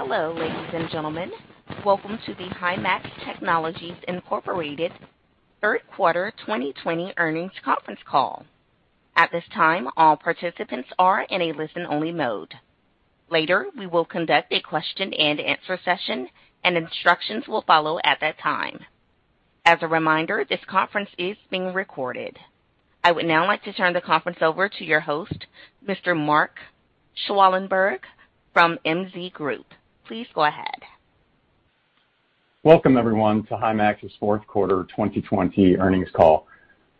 Hello, ladies and gentlemen. Welcome to the Himax Technologies Incorporated Third Quarter 2020 Earnings Conference Call. At this time, all participants are in a listen-only mode. Later, we will conduct a question-and-answer session, and instructions will follow at that time. As a reminder, this conference is being recorded. I would now like to turn the conference over to your host, Mr. Mark Schwalenberg, from MZ Group. Please go ahead. Welcome, everyone, to Himax's Fourth Quarter 2020 Earnings Call.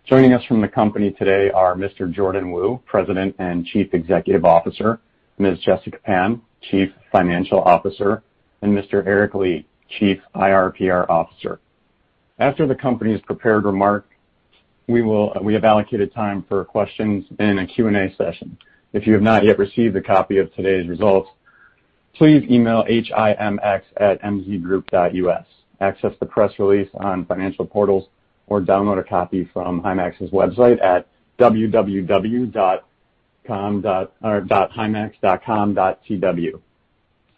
Joining us from the company today are Mr. Jordan Wu, President and Chief Executive Officer, Ms. Jessica Pan, Chief Financial Officer, and Mr. Eric Li, Chief IR/PR Officer. After the company's prepared remarks, we have allocated time for questions in a Q&A session. If you have not yet received a copy of today's results, please email HIMX@mzgroup.us, access the press release on financial portals, or download a copy from Himax's website at www.himax.com.tw.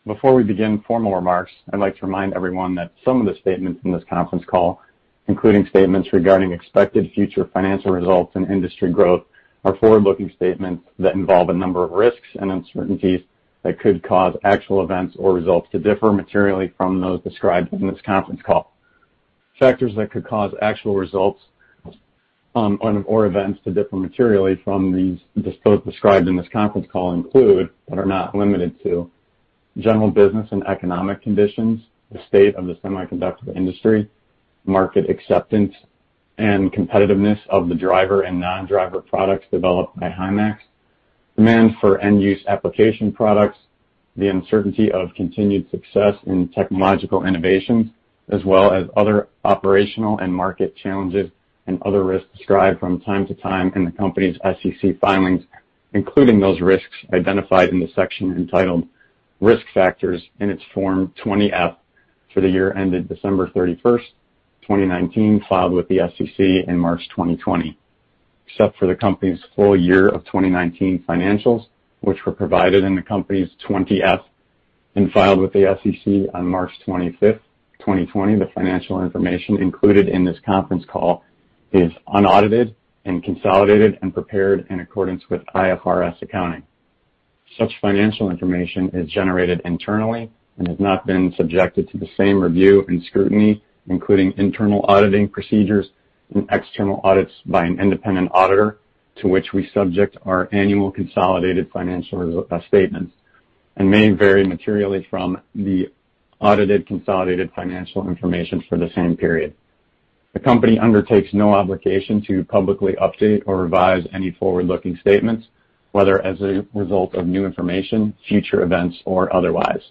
Before we begin formal remarks, I'd like to remind everyone that some of the statements in this conference call, including statements regarding expected future financial results and industry growth, are forward-looking statements that involve a number of risks and uncertainties that could cause actual events or results to differ materially from those described in this conference call. Factors that could cause actual results or events to differ materially from those described in this conference call include, but are not limited to, general business and economic conditions, the state of the semiconductor industry, market acceptance, and competitiveness of the driver and non-driver products developed by Himax, demand for end-use application products, the uncertainty of continued success in technological innovations, as well as other operational and market challenges and other risks described from time to time in the company's SEC filings, including those risks identified in the section entitled Risk Factors in its Form 20-F for the year ended December 31st, 2019, filed with the SEC in March 2020. Except for the company's full year of 2019 financials, which were provided in the company's 20-F and filed with the SEC on March 25th, 2020, the financial information included in this conference call is unaudited and consolidated and prepared in accordance with IFRS accounting. Such financial information is generated internally and has not been subjected to the same review and scrutiny, including internal auditing procedures and external audits by an independent auditor to which we subject our annual consolidated financial statements and may vary materially from the audited consolidated financial information for the same period. The company undertakes no obligation to publicly update or revise any forward-looking statements, whether as a result of new information, future events, or otherwise.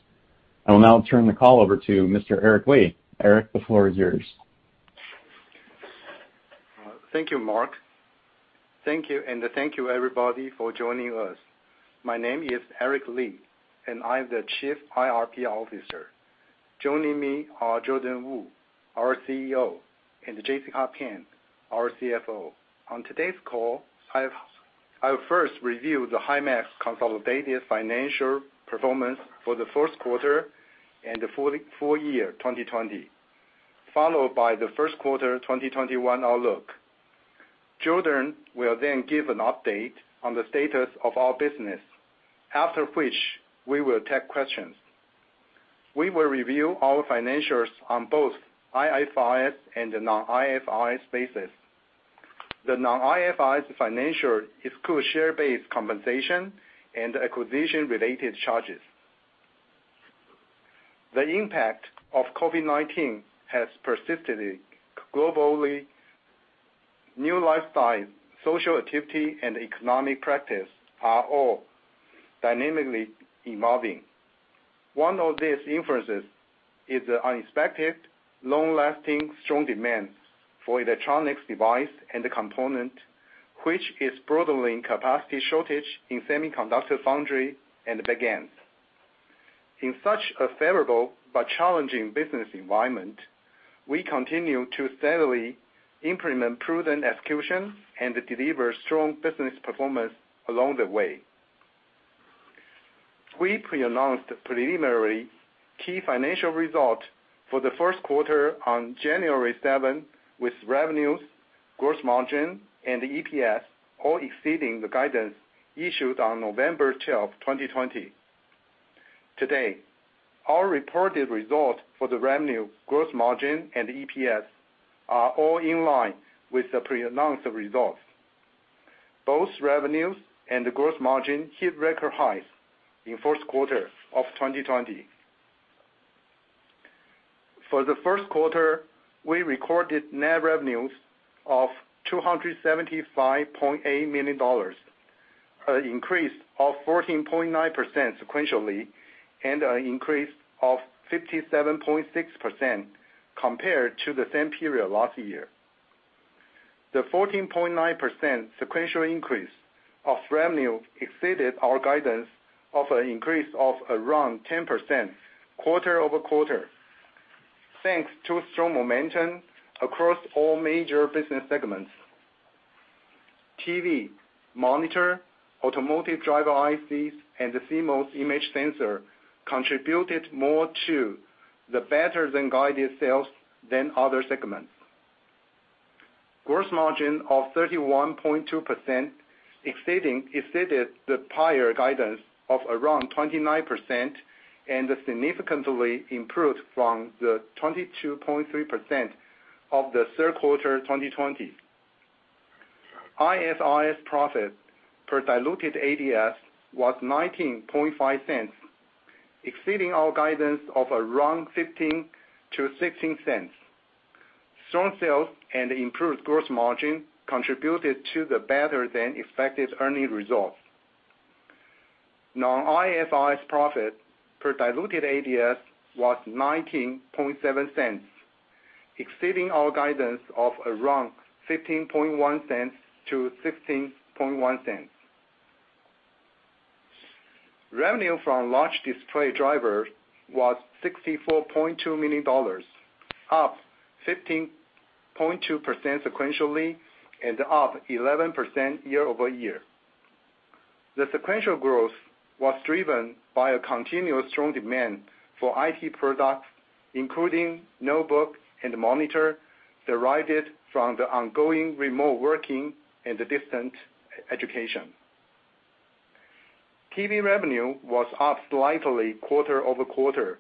I will now turn the call over to Mr. Eric Li. Eric, the floor is yours. Thank you, Mark Schwalenberg. Thank you, and thank you, everybody, for joining us. My name is Eric Li, and I am the Chief IR/PR Officer. Joining me are Jordan Wu, our CEO, and Jessica Pan, our CFO. On today's call, I'll first review the Himax consolidated financial performance for the first quarter and the full year 2020, followed by the first quarter 2021 outlook. Jordan will then give an update on the status of our business, after which we will take questions. We will review our financials on both IFRS and the non-IFRS basis. The non-IFRS financial excludes share-based compensation and acquisition-related charges. The impact of COVID-19 has persisted globally. New lifestyles, social activity, and economic practice are all dynamically evolving. One of these influences is the unexpected, long-lasting, strong demand for electronics devices and the component, which is broadening capacity shortage in semiconductor foundry and backends. In such a favorable but challenging business environment, we continue to steadily implement prudent execution and deliver strong business performance along the way. We pre-announced preliminary key financial results for the first quarter on January 7th, with revenues, gross margin, and EPS all exceeding the guidance issued on November 12th, 2020. Today, our reported results for the revenue, gross margin, and EPS are all in line with the pre-announced results. Both revenues and gross margin hit record highs in first quarter of 2020. For the first quarter, we recorded net revenues of $275.8 million, an increase of 14.9% sequentially and an increase of 57.6% compared to the same period last year. The 14.9% sequential increase of revenue exceeded our guidance of an increase of around 10% quarter-over-quarter, thanks to strong momentum across all major business segments. TV, monitor, automotive driver ICs, and the CMOS image sensor contributed more to the better-than-guided sales than other segments. Gross margin of 31.2% exceeded the prior guidance of around 29% and significantly improved from the 22.3% of the third quarter 2020. IFRS profit per diluted ADS was $0.1950, exceeding our guidance of around $0.15-$0.16. Strong sales and improved gross margin contributed to the better-than-expected earnings results. Non-IFRS profit per diluted ADS was $0.1970, exceeding our guidance of around $0.1510-$0.1610. Revenue from large display drivers was $64.2 million, up 15.2% sequentially and up 11% year-over-year. The sequential growth was driven by a continuous strong demand for IT products, including notebook and monitor, derived from the ongoing remote working and the distant education. TV revenue was up slightly quarter-over-quarter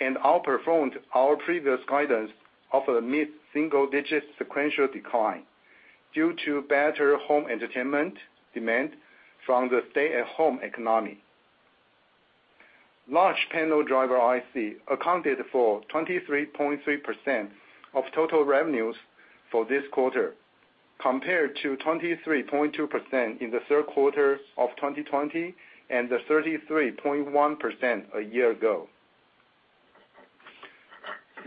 and outperformed our previous guidance of a mid-single digit sequential decline due to better home entertainment demand from the stay-at-home economy. Large panel driver IC accounted for 23.3% of total revenues for this quarter, compared to 23.2% in the third quarter of 2020 and 33.1% a year ago.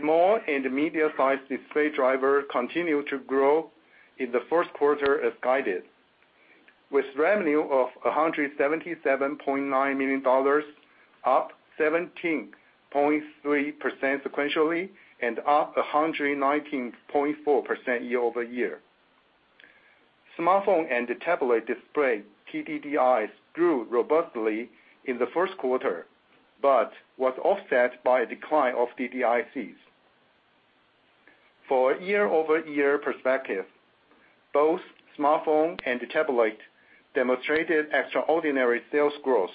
Small and medium-sized display drivers continued to grow in the first quarter as guided, with revenue of $177.9 million, up 17.3% sequentially and up 119.4% year-over-year. Smartphone and tablet display TDDIs grew robustly in the first quarter, but was offset by a decline of DDICs. For a year-over-year perspective, both smartphone and tablet demonstrated extraordinary sales growth,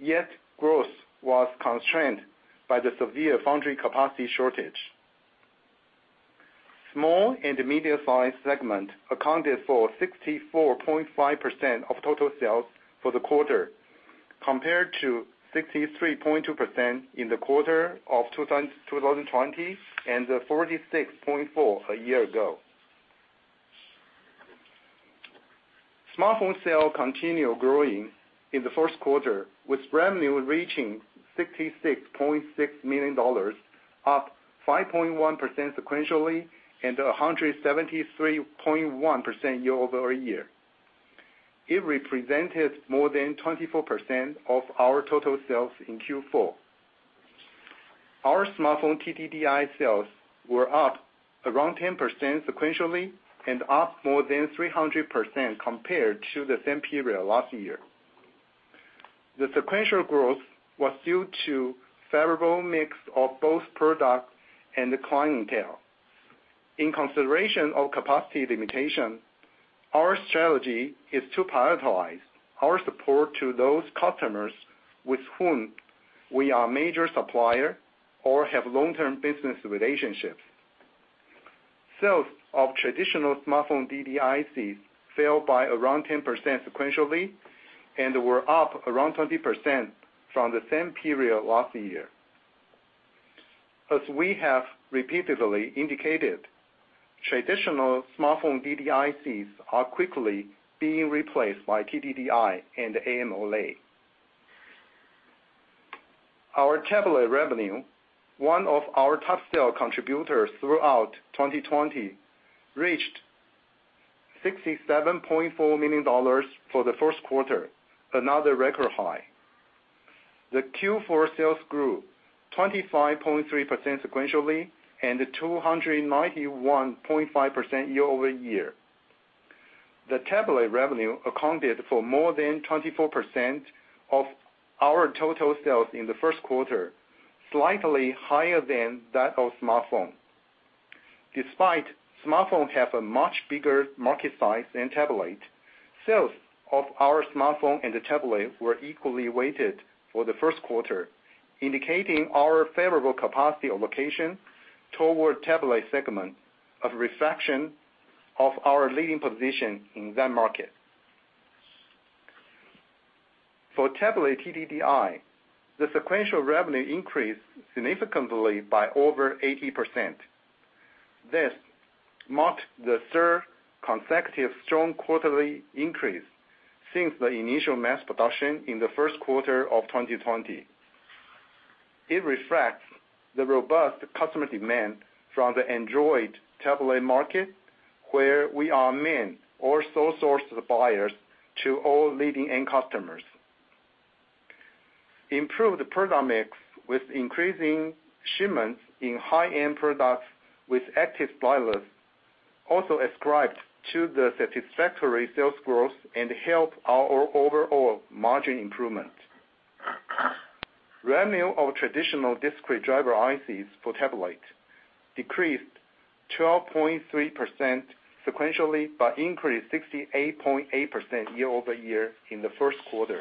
yet growth was constrained by the severe foundry capacity shortage. Small and medium-sized segment accounted for 64.5% of total sales for the quarter, compared to 63.2% in the quarter of 2020 and 46.4% a year ago. Smartphone sales continued growing in the first quarter, with revenue reaching $66.6 million, up 5.1% sequentially and 173.1% year-over-year. It represented more than 24% of our total sales in Q4. Our smartphone TDDI sales were up around 10% sequentially and up more than 300% compared to the same period last year. The sequential growth was due to favorable mix of both product and clientele. In consideration of capacity limitation, our strategy is to prioritize our support to those customers with whom we are a major supplier or have long-term business relationships. Sales of traditional smartphone DDICs fell by around 10% sequentially and were up around 20% from the same period last year. As we have repeatedly indicated, traditional smartphone DDICs are quickly being replaced by TDDI and AMOLED. Our tablet revenue, one of our top sales contributors throughout 2020, reached $67.4 million for the first quarter, another record high. The Q4 sales grew 25.3% sequentially and 291.5% year-over-year. The tablet revenue accounted for more than 24% of our total sales in the first quarter, slightly higher than that of smartphone. Despite smartphone having a much bigger market size than tablet, sales of our smartphone and tablet were equally weighted for the first quarter, indicating our favorable capacity allocation toward tablet segment, a reflection of our leading position in that market. For tablet TDDI, the sequential revenue increased significantly by over 80%. This marked the third consecutive strong quarterly increase since the initial mass production in the first quarter of 2020. It reflects the robust customer demand from the Android tablet market, where we are main or sole source suppliers to all leading end customers. Improved product mix with increasing shipments in high-end products with active drivers also ascribed to the satisfactory sales growth and help our overall margin improvement. Revenue of traditional discrete driver ICs for tablet decreased 12.3% sequentially, increased 68.8% year-over-year in the first quarter.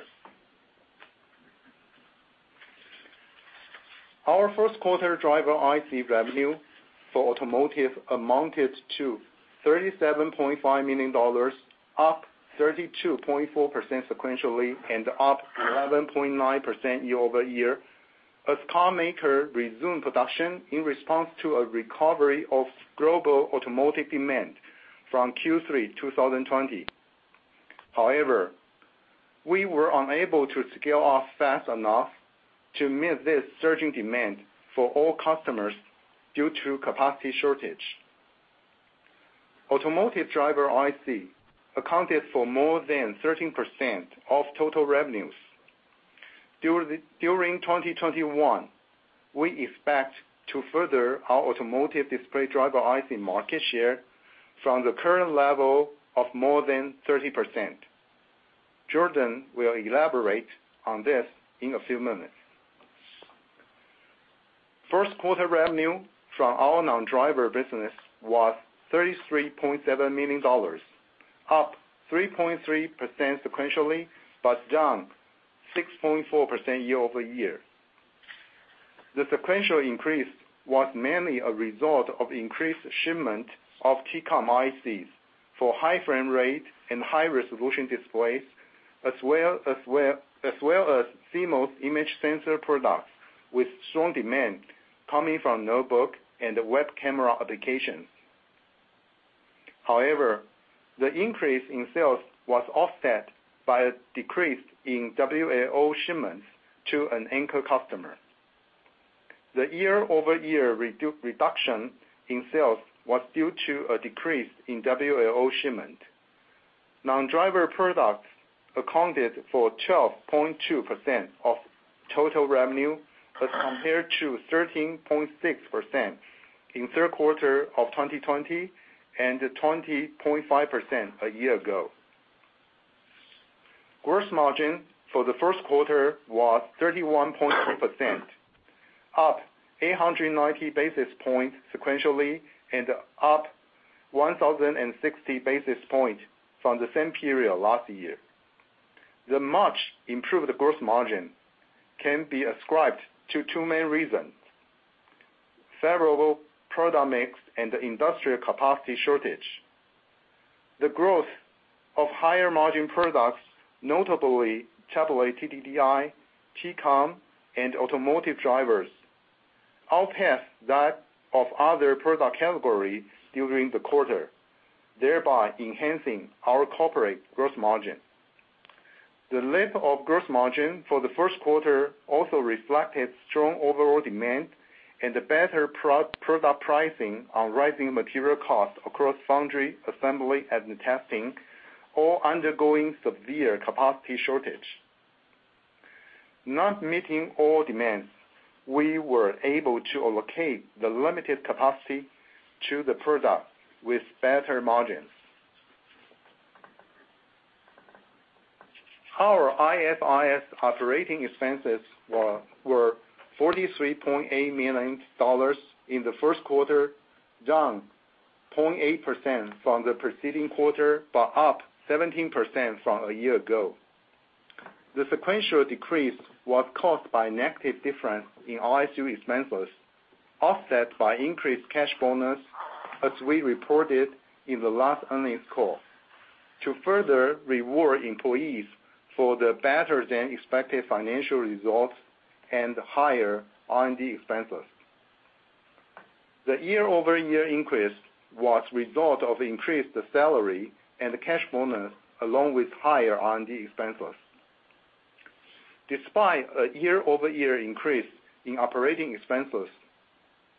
Our first quarter driver IC revenue for automotive amounted to $37.5 million, up 32.4% sequentially and up 11.9% year-over-year, as carmaker resume production in response to a recovery of global automotive demand from Q3 2020. We were unable to scale up fast enough to meet this surging demand for all customers due to capacity shortage. Automotive driver IC accounted for more than 13% of total revenues. During 2021, we expect to further our automotive display driver IC market share from the current level of more than 30%. Jordan will elaborate on this in a few minutes. First quarter revenue from our non-driver business was $33.7 million, up 3.3% sequentially, but down 6.4% year-over-year. The sequential increase was mainly a result of increased shipment of Tcon ICs for high frame rate and high-resolution displays, as well as CMOS image sensor products, with strong demand coming from notebook and web camera applications. The increase in sales was offset by a decrease in WLO shipments to an anchor customer. The year-over-year reduction in sales was due to a decrease in WLO shipment. Non-driver products accounted for 12.2% of total revenue as compared to 13.6% in third quarter of 2020 and 20.5% a year ago. Gross margin for the first quarter was 31.2%, up 890 basis points sequentially and up 1,060 basis points from the same period last year. The much improved gross margin can be ascribed to two main reasons. Favorable product mix and industrial capacity shortage. The growth of higher margin products, notably AMOLED DDIC, Tcon, and automotive drivers, outpaced that of other product categories during the quarter, thereby enhancing our corporate gross margin. The leap of gross margin for the first quarter also reflected strong overall demand and better product pricing on rising material costs across foundry, assembly, and testing, all undergoing severe capacity shortage. Not meeting all demands, we were able to allocate the limited capacity to the product with better margins. Our IFRS operating expenses were $43.8 million in the first quarter, down 0.8% from the preceding quarter, but up 17% from a year ago. The sequential decrease was caused by negative difference in RSU expenses, offset by increased cash bonus as we reported in the last earnings call to further reward employees for the better than expected financial results and higher R&D expenses. The year-over-year increase was result of increased salary and cash bonus, along with higher R&D expenses. Despite a year-over-year increase in operating expenses,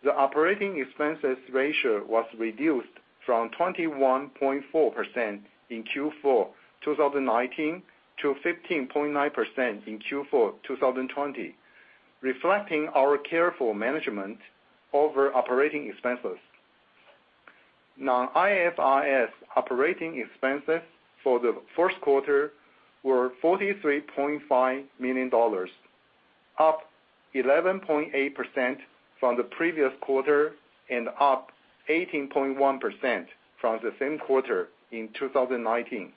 the operating expenses ratio was reduced from 21.4% in Q4 2019 to 15.9% in Q4 2020, reflecting our careful management over operating expenses. Non-IFRS operating expenses for the first quarter were $43.5 million, up 11.8% from the previous quarter and up 18.1% from the same quarter in 2019.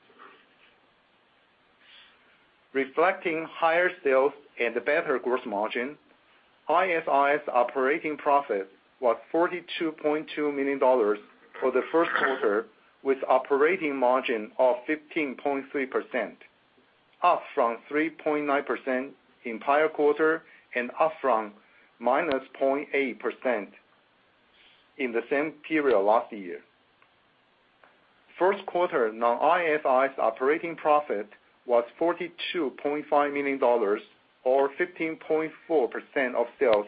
Reflecting higher sales and better gross margin, IFRS operating profit was $42.2 million for the first quarter, with operating margin of 15.3%, up from 3.9% in prior quarter and up from -0.8% in the same period last year. First quarter non-IFRS operating profit was $42.5 million or 15.4% of sales.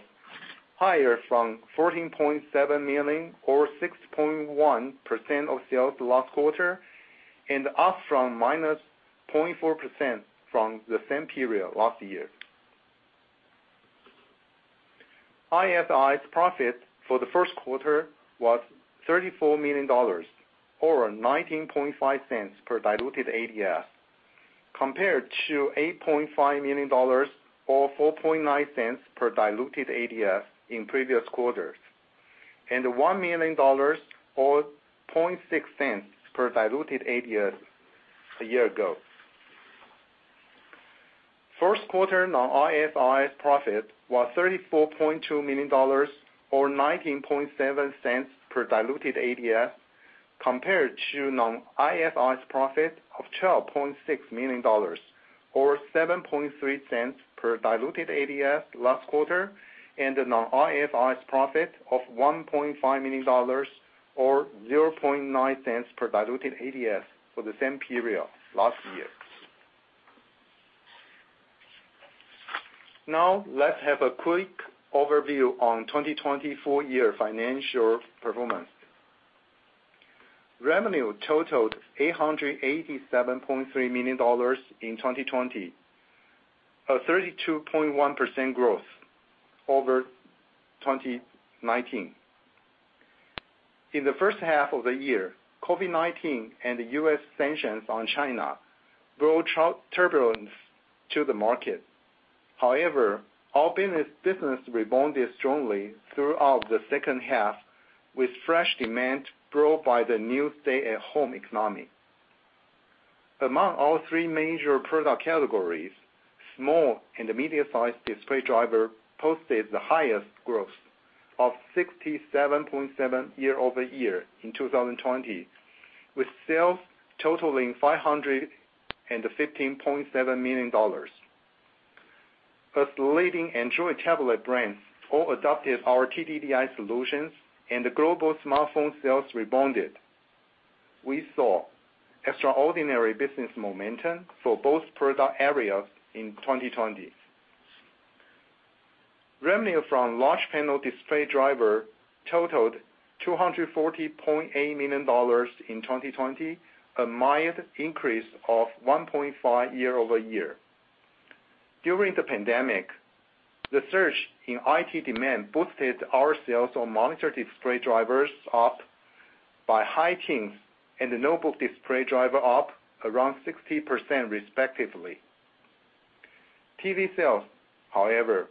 Higher from $14.7 million or 6.1% of sales last quarter, and up from -0.4% from the same period last year. IFRS profit for the first quarter was $34 million or $0.195 per diluted ADS, compared to $8.5 million or $0.049 per diluted ADS in previous quarters, and $1 million or $0.006 per diluted ADS a year ago. First quarter non-IFRS profit was $34.2 million or $0.197 per diluted ADS, compared to non-IFRS profit of $12.6 million or $0.073 per diluted ADS last quarter, and the non-IFRS profit of $1.5 million or $0.009 per diluted ADS for the same period last year. Now let's have a quick overview on 2020 full year financial performance. Revenue totaled $887.3 million in 2020, a 32.1% growth over 2019. In the first half of the year, COVID-19 and the U.S. sanctions on China brought turbulence to the market. However, our business rebounded strongly throughout the second half with fresh demand brought by the new stay at home economy. Among all three major product categories, small and the medium-sized display driver posted the highest growth of 67.7% year-over-year in 2020, with sales totaling $515.7 million. As leading Android tablet brands all adopted our TDDI solutions and the global smartphone sales rebounded, we saw extraordinary business momentum for both product areas in 2020. Revenue from large panel display driver totaled $240.8 million in 2020, a mild increase of 1.5% year-over-year. During the pandemic, the surge in IT demand boosted our sales on monitor display drivers up by high teens and the notebook display driver up around 60% respectively. TV sales, however,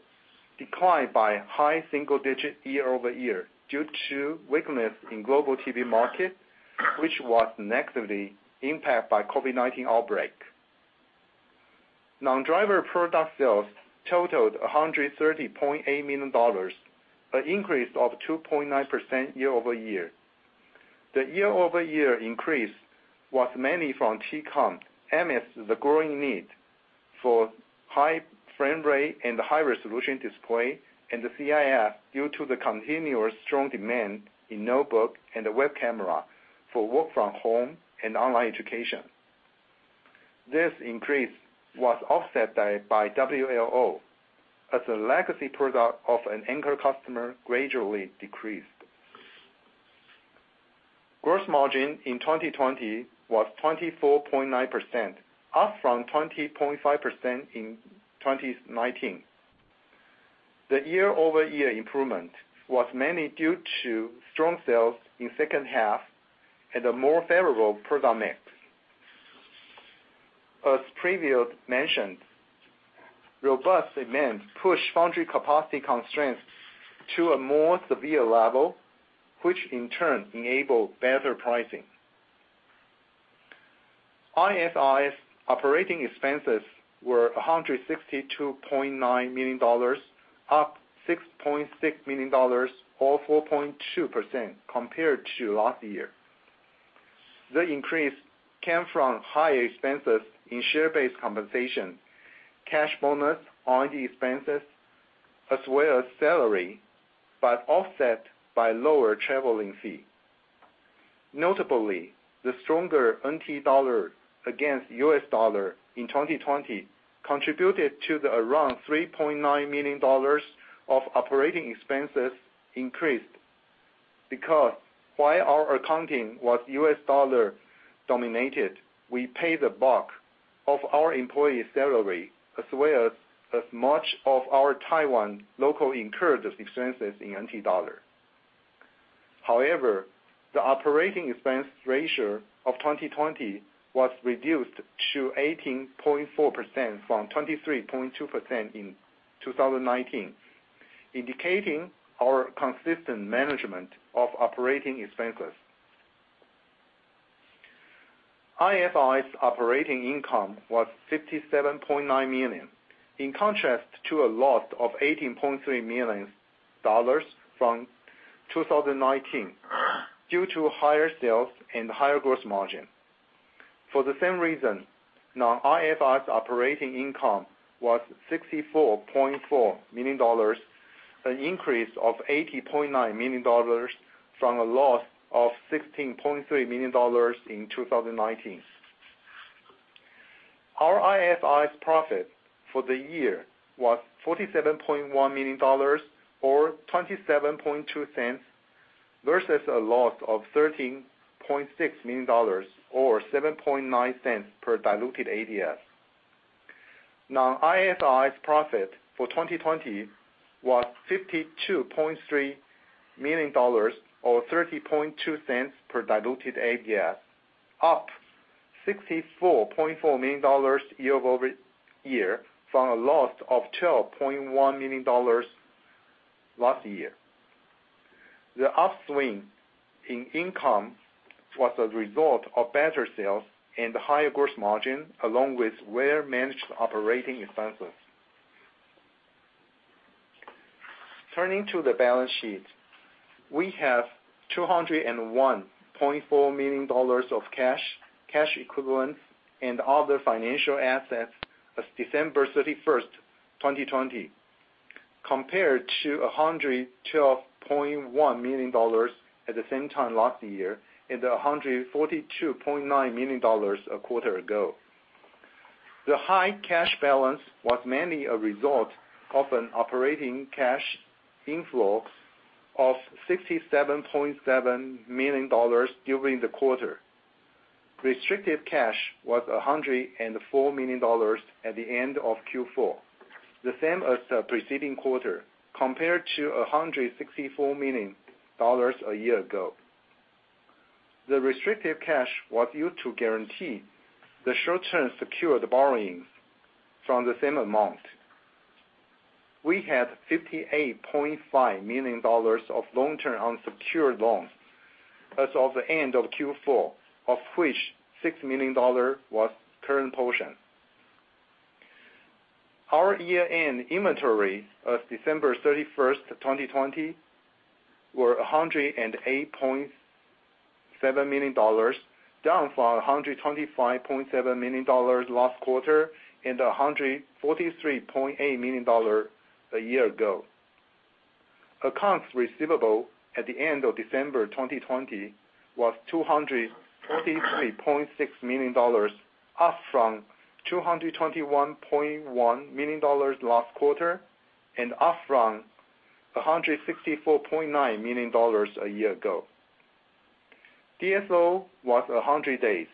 declined by high single digit year-over-year due to weakness in global TV market, which was negatively impacted by COVID-19 outbreak. Non-driver product sales totaled $130.8 million, an increase of 2.9% year-over-year. The year-over-year increase was mainly from Tcon, amidst the growing need for high frame rate and high-resolution display and the CIS due to the continuous strong demand in notebook and the web camera for work from home and online education. This increase was offset by WLO as a legacy product of an anchor customer gradually decreased. Gross margin in 2020 was 24.9%, up from 20.5% in 2019. As previously mentioned, robust demand pushed foundry capacity constraints to a more severe level, which in turn enabled better pricing. Himax's operating expenses were $162.9 million, up $6.6 million or 4.2% compared to last year. The increase came from higher expenses in share-based compensation, cash bonus on the expenses, as well as salary, but offset by lower traveling fee. Notably, the stronger NT dollar against US dollar in 2020 contributed to the around $3.9 million of operating expenses increased. While our accounting was US dollar-dominated, we pay the bulk of our employees' salary, as well as much of our Taiwan local incurred expenses in NT dollar. However, the operating expense ratio of 2020 was reduced to 18.4% from 23.2% in 2019, indicating our consistent management of operating expenses. Himax's operating income was $57.9 million, in contrast to a loss of $18.3 million from 2019 due to higher sales and higher gross margin. For the same reason, non-IFRS operating income was $64.4 million, an increase of $80.9 million from a loss of $16.3 million in 2019. Our non-IFRS profit for the year was $47.1 million or $0.272 versus a loss of $13.6 million or $0.079 per diluted ADS. non-IFRS profit for 2020 was $52.3 million or $0.302 per diluted ADS, up $64.4 million year-over-year from a loss of $12.1 million last year. The upswing in income was a result of better sales and higher gross margin, along with well-managed operating expenses. Turning to the balance sheet. We have $201.4 million of cash equivalents, and other financial assets as December 31st, 2020, compared to $112.1 million at the same time last year, and $142.9 million a quarter ago. The high cash balance was mainly a result of an operating cash influx of $67.7 million during the quarter. Restricted cash was $104 million at the end of Q4, the same as the preceding quarter, compared to $164 million a year ago. The restricted cash was used to guarantee the short-term secured borrowings from the same amount. We had $58.5 million of long-term unsecured loans as of the end of Q4, of which $6 million was current portion. Our year-end inventory as December 31st, 2020, were $108.7 million, down from $125.7 million last quarter and $143.8 million a year ago. Accounts receivable at the end of December 2020 was $243.6 million, up from $221.1 million last quarter and up from $164.9 million a year ago. DSO was 100 days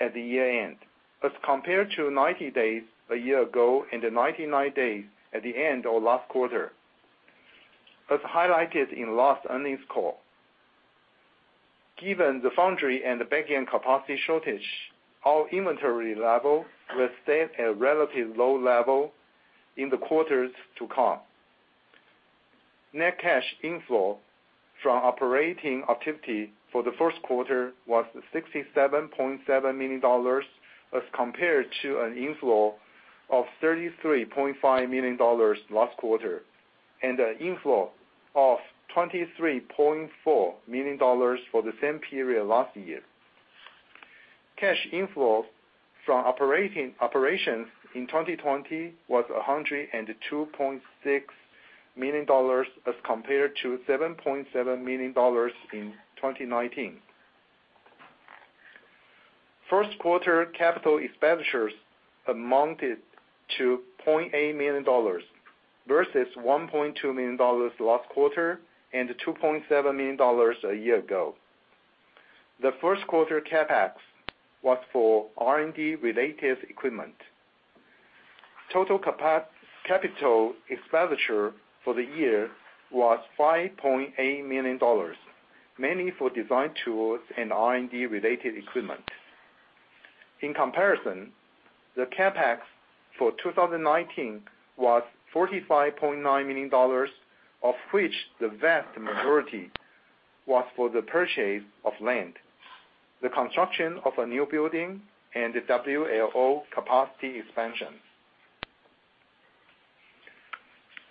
at the year-end, as compared to 90 days a year ago and 99 days at the end of last quarter. As highlighted in last earnings call. Given the foundry and the back-end capacity shortage, our inventory level will stay at a relatively low level in the quarters to come. Net cash inflow from operating activity for the first quarter was $67.7 million as compared to an inflow of $33.5 million last quarter, and an inflow of $23.4 million for the same period last year. Cash inflow from operations in 2020 was $102.6 million as compared to $7.7 million in 2019. First quarter capital expenditures amounted to $0.8 million, versus $1.2 million last quarter and $2.7 million a year ago. The first quarter CapEx was for R&D-related equipment. Total capital expenditure for the year was $5.8 million, mainly for design tools and R&D-related equipment. In comparison, the CapEx for 2019 was $45.9 million, of which the vast majority was for the purchase of land, the construction of a new building, and the WLO capacity expansion.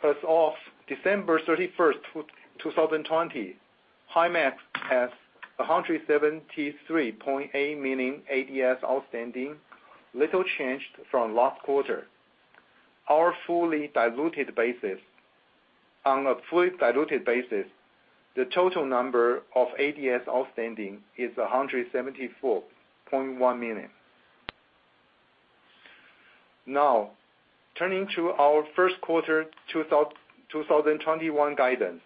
As of December 31st, 2020, Himax has 173.8 million ADS outstanding, little changed from last quarter. On a fully diluted basis, the total number of ADS outstanding is 174.1 million. Turning to our first quarter 2021 guidance.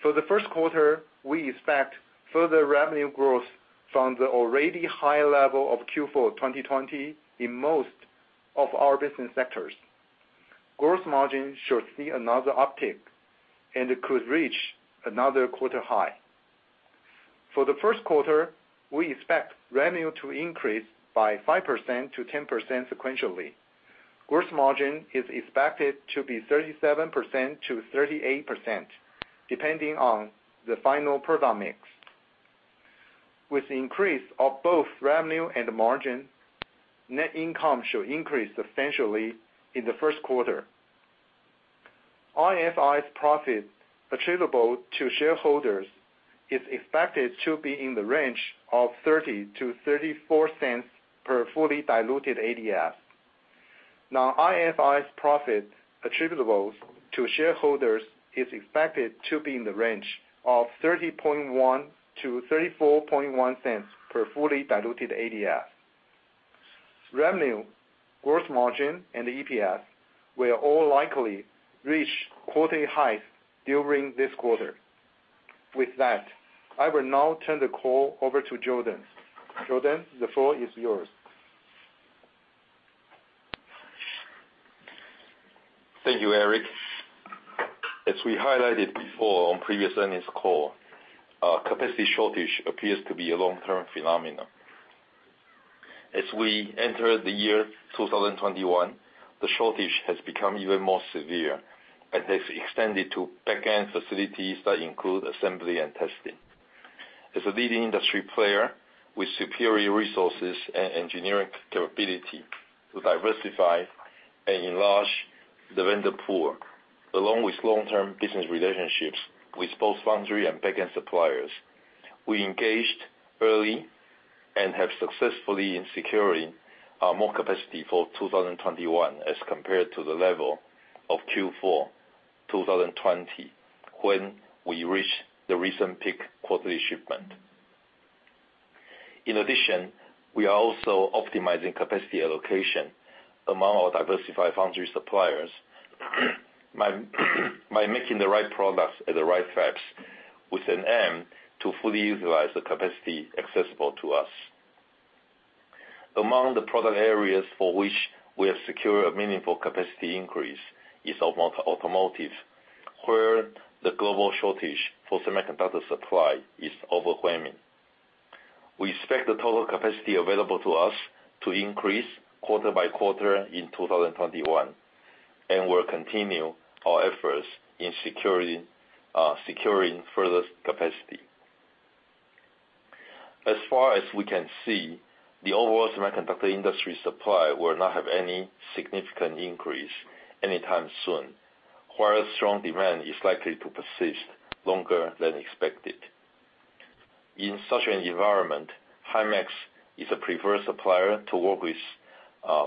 For the first quarter, we expect further revenue growth from the already high level of Q4 2020 in most of our business sectors. Gross margin should see another uptick and could reach another quarter high. For the first quarter, we expect revenue to increase by 5%-10% sequentially. Gross margin is expected to be 37%-38%, depending on the final product mix. With the increase of both revenue and margin, net income should increase substantially in the first quarter. Non-IFRS profit attributable to shareholders is expected to be in the range of $0.30-$0.34 per fully diluted ADS. Now, IFRS profit attributable to shareholders is expected to be in the range of $0.301-$0.341 per fully diluted ADS. Revenue, gross margin, and the EPS will all likely reach quarterly highs during this quarter. With that, I will now turn the call over to Jordan. Jordan, the floor is yours. Thank you, Eric. As we highlighted before on previous earnings call, our capacity shortage appears to be a long-term phenomenon. As we enter the year 2021, the shortage has become even more severe and has extended to back-end facilities that include assembly and testing. As a leading industry player with superior resources and engineering capability to diversify and enlarge the vendor pool, along with long-term business relationships with both foundry and back-end suppliers, we engaged early and have successfully been securing more capacity for 2021 as compared to the level of Q4 2020, when we reached the recent peak quarterly shipment. We are also optimizing capacity allocation among our diversified foundry suppliers by making the right products at the right price, with an aim to fully utilize the capacity accessible to us. Among the product areas for which we have secured a meaningful capacity increase is automotive, where the global shortage for semiconductor supply is overwhelming. We expect the total capacity available to us to increase quarter by quarter in 2021, and we'll continue our efforts in securing further capacity. As far as we can see, the overall semiconductor industry supply will not have any significant increase anytime soon. While strong demand is likely to persist longer than expected. In such an environment, Himax is a preferred supplier to work with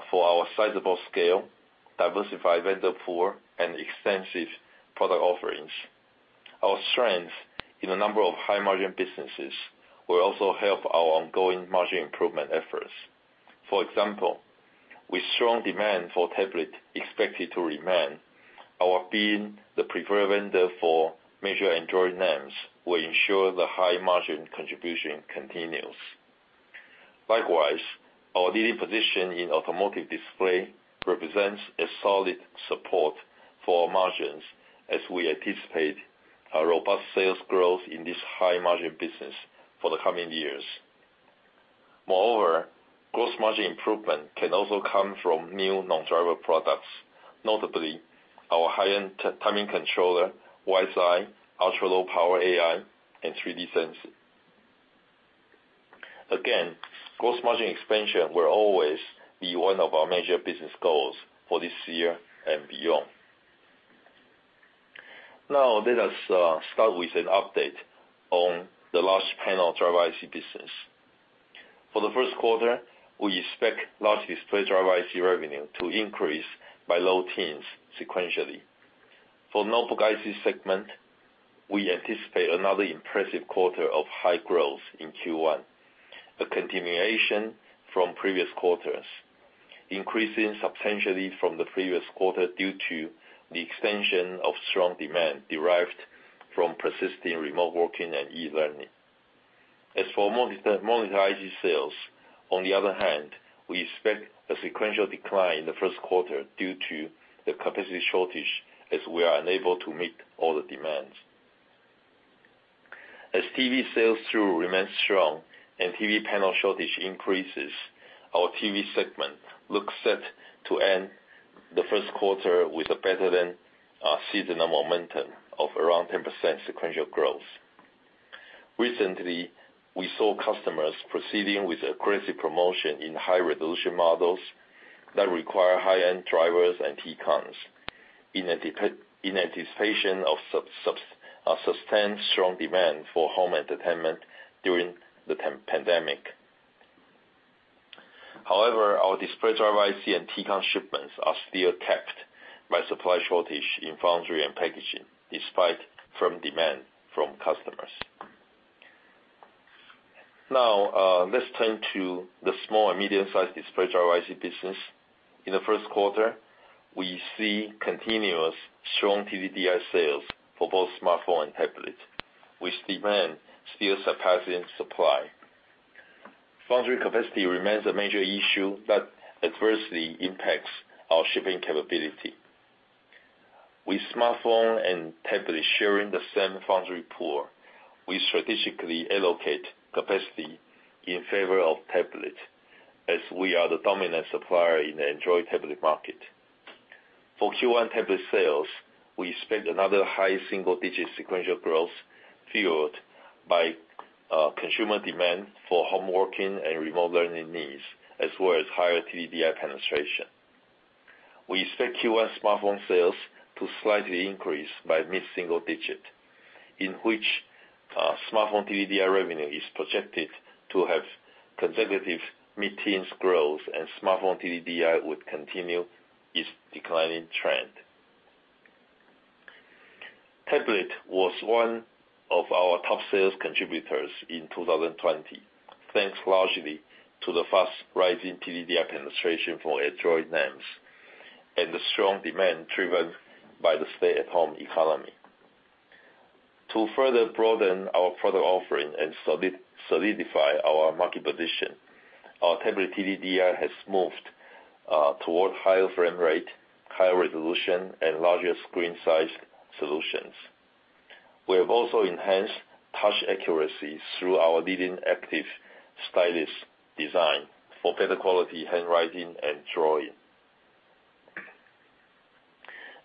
for our sizable scale, diversified vendor pool, and extensive product offerings. Our strength in a number of high-margin businesses will also help our ongoing margin improvement efforts. For example, with strong demand for tablet expected to remain, our being the preferred vendor for major Android names will ensure the high margin contribution continues. Likewise, our leading position in automotive display represents a solid support for our margins as we anticipate a robust sales growth in this high margin business for the coming years. Moreover, gross margin improvement can also come from new non-driver products, notably our high-end timing controller, WiseEye, ultra-low power AI, and 3D sensor. Again, gross margin expansion will always be one of our major business goals for this year and beyond. Now, let us start with an update on the large panel driver IC business. For the first quarter, we expect large display driver IC revenue to increase by low teens sequentially. For notebook IC segment, we anticipate another impressive quarter of high growth in Q1, a continuation from previous quarters, increasing substantially from the previous quarter due to the extension of strong demand derived from persisting remote working and e-learning. As for monitor IC sales, on the other hand, we expect a sequential decline in the first quarter due to the capacity shortage, as we are unable to meet all the demands. As TV sales through remains strong and TV panel shortage increases, our TV segment looks set to end the first quarter with a better-than-seasonal momentum of around 10% sequential growth. Recently, we saw customers proceeding with aggressive promotion in high-resolution models that require high-end drivers and Tcons in anticipation of sustained strong demand for home entertainment during the pandemic. However, our display driver IC and Tcon shipments are still capped by supply shortage in foundry and packaging, despite firm demand from customers. Now, let's turn to the small and medium-sized display driver IC business. In the first quarter, we see continuous strong TDDI sales for both smartphone and tablet, with demand still surpassing supply. Foundry capacity remains a major issue that adversely impacts our shipping capability. With smartphone and tablet sharing the same foundry pool, we strategically allocate capacity in favor of tablet, as we are the dominant supplier in the Android tablet market. For Q1 tablet sales, we expect another high single-digit sequential growth fueled by consumer demand for home working and remote learning needs, as well as higher TDDI penetration. We expect Q1 smartphone sales to slightly increase by mid-single digit. In which smartphone TDDI revenue is projected to have consecutive mid-teens growth and smartphone TDDI would continue its declining trend. Tablet was one of our top sales contributors in 2020, thanks largely to the fast rising TDDI penetration for Android names and the strong demand driven by the stay-at-home economy. To further broaden our product offering and solidify our market position, our tablet TDDI has moved toward higher frame rate, higher resolution, and larger screen size solutions. We have also enhanced touch accuracy through our leading active stylus design for better quality handwriting and drawing.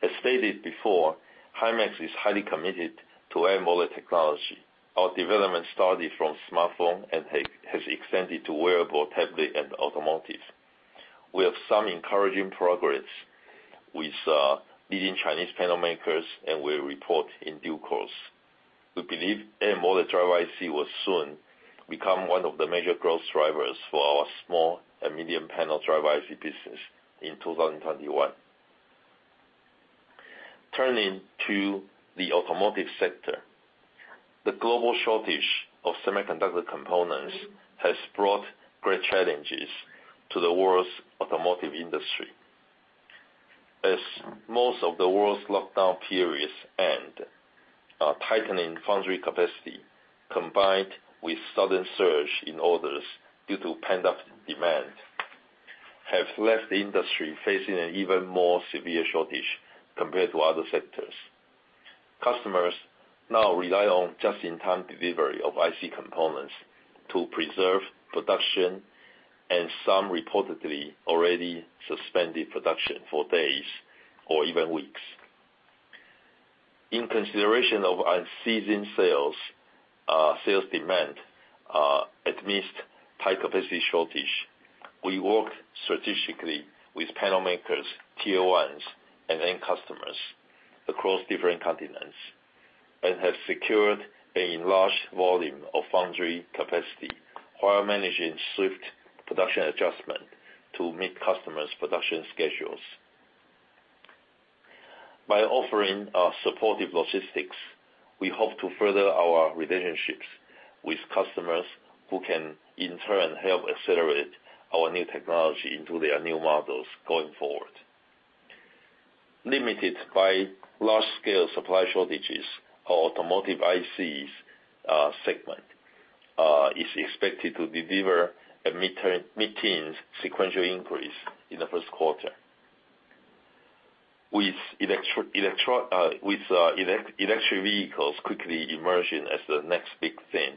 As stated before, Himax is highly committed to AMOLED technology. Our development started from smartphone and has extended to wearable tablet and automotive. We have some encouraging progress with leading Chinese panel makers, and we'll report in due course. We believe AMOLED driver IC will soon become one of the major growth drivers for our small and medium panel driver IC business in 2021. Turning to the automotive sector. The global shortage of semiconductor components has brought great challenges to the world's automotive industry. As most of the world's lockdown periods end, tightening foundry capacity, combined with sudden surge in orders due to pent-up demand, have left the industry facing an even more severe shortage compared to other sectors. Customers now rely on just-in-time delivery of IC components to preserve production, and some reportedly already suspended production for days or even weeks. In consideration of unceasing sales demand amidst high capacity shortage, we work strategically with panel makers, Tier 1s, and end customers across different continents and have secured an enlarged volume of foundry capacity while managing swift production adjustment to meet customers' production schedules. By offering supportive logistics, we hope to further our relationships with customers who can in turn help accelerate our new technology into their new models going forward. Limited by large scale supply shortages, our automotive ICs segment is expected to deliver a mid-teens sequential increase in the first quarter. With electric vehicles quickly emerging as the next big thing,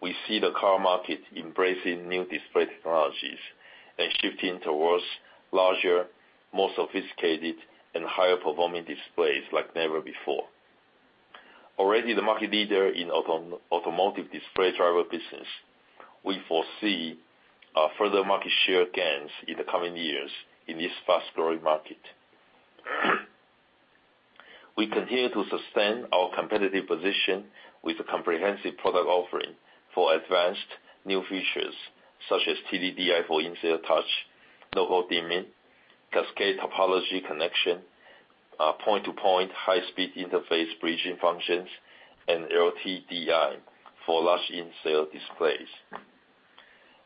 we see the car market embracing new display technologies and shifting towards larger, more sophisticated, and higher performing displays like never before. Already the market leader in automotive display driver business, we foresee further market share gains in the coming years in this fast-growing market. We continue to sustain our competitive position with a comprehensive product offering for advanced new features such as TDDI for in-cell touch, local dimming, cascade topology connection, point-to-point high speed interface bridging functions, and LTDI for large in-cell displays.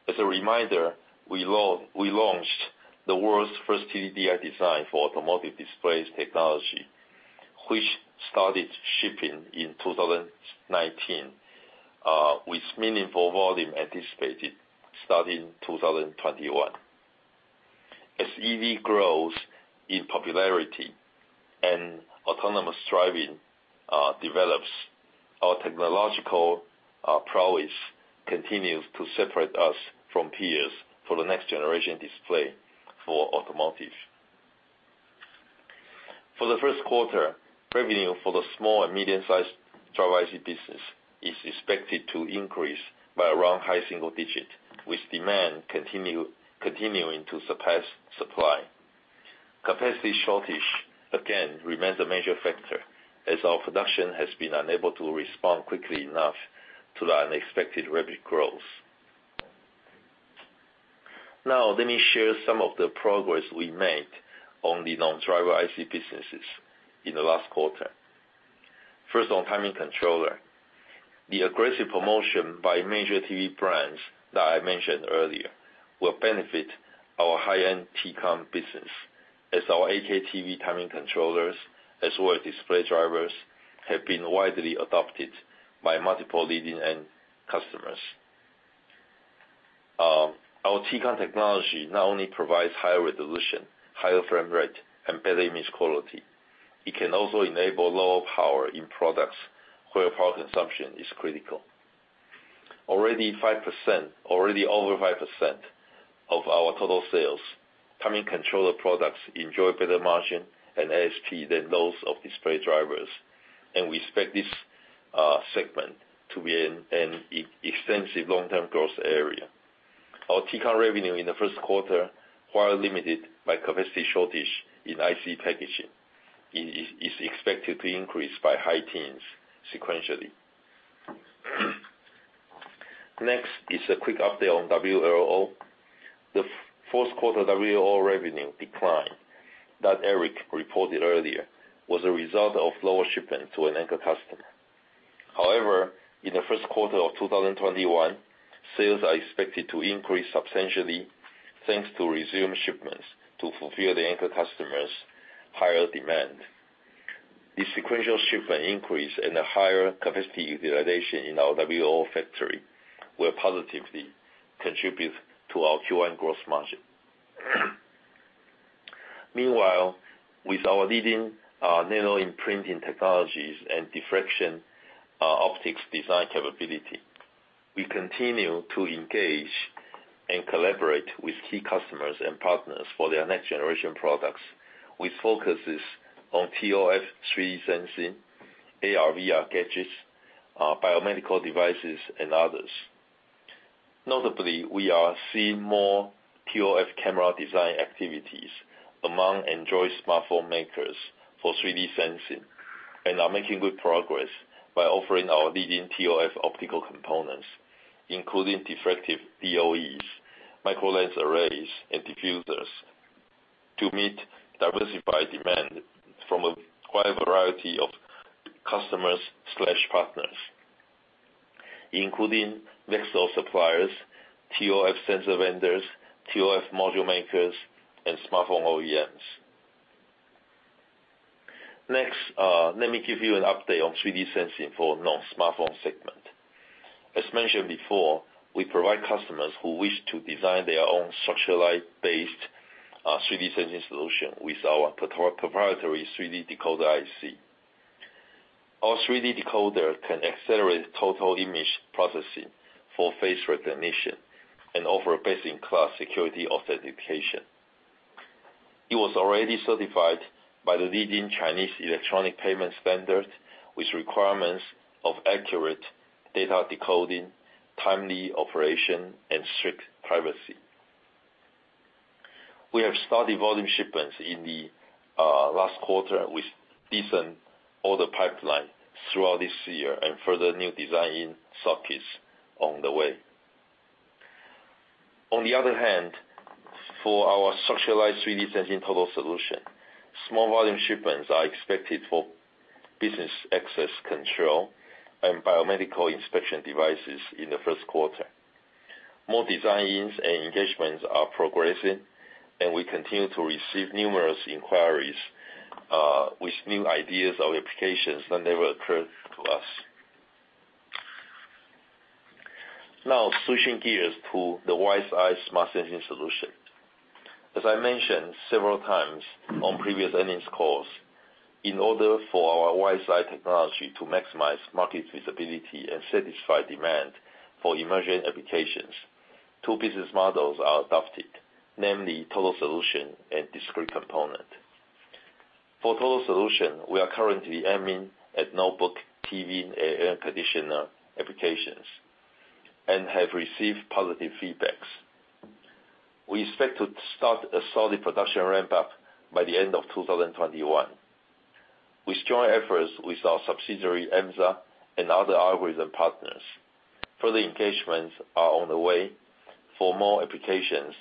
As a reminder, we launched the world's first TDDI design for automotive displays technology, which started shipping in 2019, with meaningful volume anticipated starting 2021. As EV grows in popularity and autonomous driving develops, our technological prowess continues to separate us from peers for the next generation display for automotive. For the first quarter, revenue for the small and medium-sized driver IC business is expected to increase by around high single digit, with demand continuing to surpass supply. Capacity shortage, again, remains a major factor as our production has been unable to respond quickly enough to the unexpected rapid growth. Let me share some of the progress we made on the non-driver IC businesses in the last quarter. First, on timing controller. The aggressive promotion by major TV brands that I mentioned earlier will benefit our high-end Tcon business as our 8K TV timing controllers, as well as display drivers, have been widely adopted by multiple leading end customers. Our Tcon technology not only provides higher resolution, higher frame rate, and better image quality, it can also enable lower power in products where power consumption is critical. Already over 5% of our total sales timing controller products enjoy better margin and ASP than those of display drivers, and we expect this segment to be an extensive long-term growth area. Our Tcon revenue in the first quarter, while limited by capacity shortage in IC packaging, is expected to increase by high teens sequentially. Next is a quick update on WLO. The fourth quarter WLO revenue decline that Eric reported earlier was a result of lower shipment to an anchor customer. However, in the first quarter of 2021, sales are expected to increase substantially, thanks to resumed shipments to fulfill the anchor customer's higher demand. The sequential shipment increase and the higher capacity utilization in our WLO factory will positively contribute to our Q1 gross margin. Meanwhile, with our leading nano imprinting technologies and diffraction optics design capability, we continue to engage and collaborate with key customers and partners for their next-generation products, with focuses on ToF 3D sensing, AR/VR gadgets, biomedical devices, and others. Notably, we are seeing more ToF camera design activities among Android smartphone makers for 3D sensing, and are making good progress by offering our leading ToF optical components, including diffractive DOEs, micro lens arrays, and diffusers to meet diversified demand from a wide variety of customers/partners, including VCSEL suppliers, ToF sensor vendors, ToF module makers, and smartphone OEMs. Next, let me give you an update on 3D sensing for non-smartphone segment. As mentioned before, we provide customers who wish to design their own structured light-based 3D sensing solution with our proprietary 3D decoder IC. Our 3D decoder can accelerate total image processing for face recognition and offer best-in-class security authentication. It was already certified by the leading Chinese electronic payment standard, with requirements of accurate data decoding, timely operation, and strict privacy. We have started volume shipments in the last quarter with decent order pipeline throughout this year and further new design-in sockets on the way. On the other hand, for our structured light 3D sensing total solution, small volume shipments are expected for business access control and biomedical inspection devices in the first quarter. More designs and engagements are progressing. We continue to receive numerous inquiries, with new ideas of applications that never occurred to us. Now, switching gears to the WiseEye smart sensing solution. As I mentioned several times on previous earnings calls, in order for our WiseEye technology to maximize market visibility and satisfy demand for emerging applications, two business models are adopted, namely total solution and discrete component. For total solution, we are currently aiming at notebook, TV, and air conditioner applications, and have received positive feedbacks. We expect to start a solid production ramp-up by the end of 2021. With joint efforts with our subsidiary, Emza, and other algorithm partners, further engagements are on the way for more applications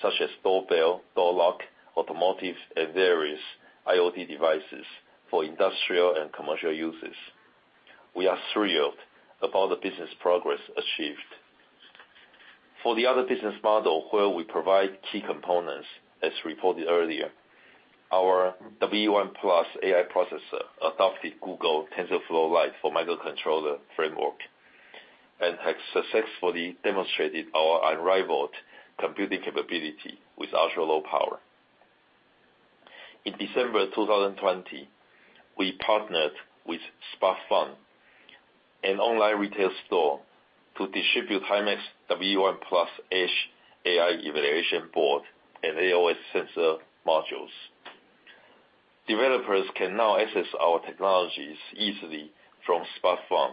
such as doorbell, door lock, automotive, and various IoT devices for industrial and commercial uses. We are thrilled about the business progress achieved. For the other business model where we provide key components, as reported earlier, our WE1 Plus AI processor adopted Google TensorFlow Lite for microcontroller framework, and has successfully demonstrated our unrivaled computing capability with ultra-low power. In December 2020, we partnered with SparkFun, an online retail store, to distribute Himax WE1 Plus Edge AI evaluation board and AoS sensor modules. Developers can now access our technologies easily from SparkFun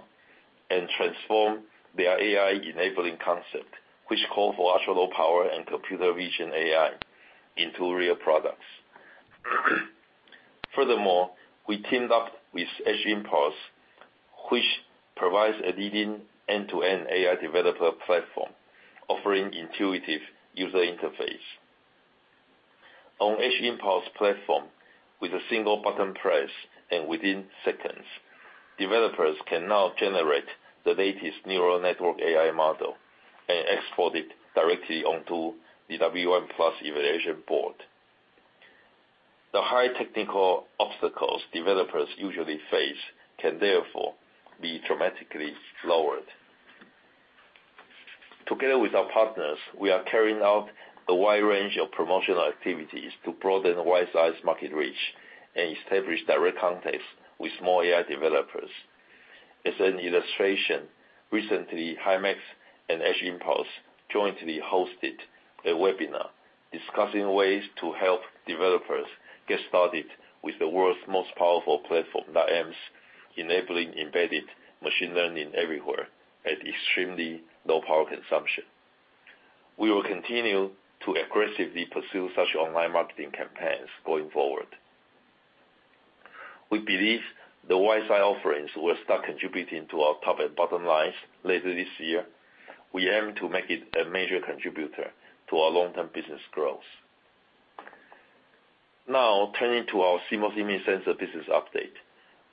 and transform their AI-enabling concept, which call for ultra-low power and computer vision AI into real products. Furthermore, we teamed up with Edge Impulse, which provides a leading end-to-end AI developer platform offering intuitive user interface. On Edge Impulse platform, with a single button press and within seconds, developers can now generate the latest neural network AI model and export it directly onto the WE1 Plus evaluation board. The high technical obstacles developers usually face can therefore be dramatically lowered. Together with our partners, we are carrying out a wide range of promotional activities to broaden WiseEye's market reach and establish direct contacts with small AI developers. As an illustration, recently, Himax and Edge Impulse jointly hosted a webinar discussing ways to help developers get started with the world's most powerful platform that aims, enabling embedded machine learning everywhere at extremely low power consumption. We will continue to aggressively pursue such online marketing campaigns going forward. We believe the WiseEye offerings will start contributing to our top and bottom lines later this year. We aim to make it a major contributor to our long-term business growth. Now, turning to our CMOS image sensor business update.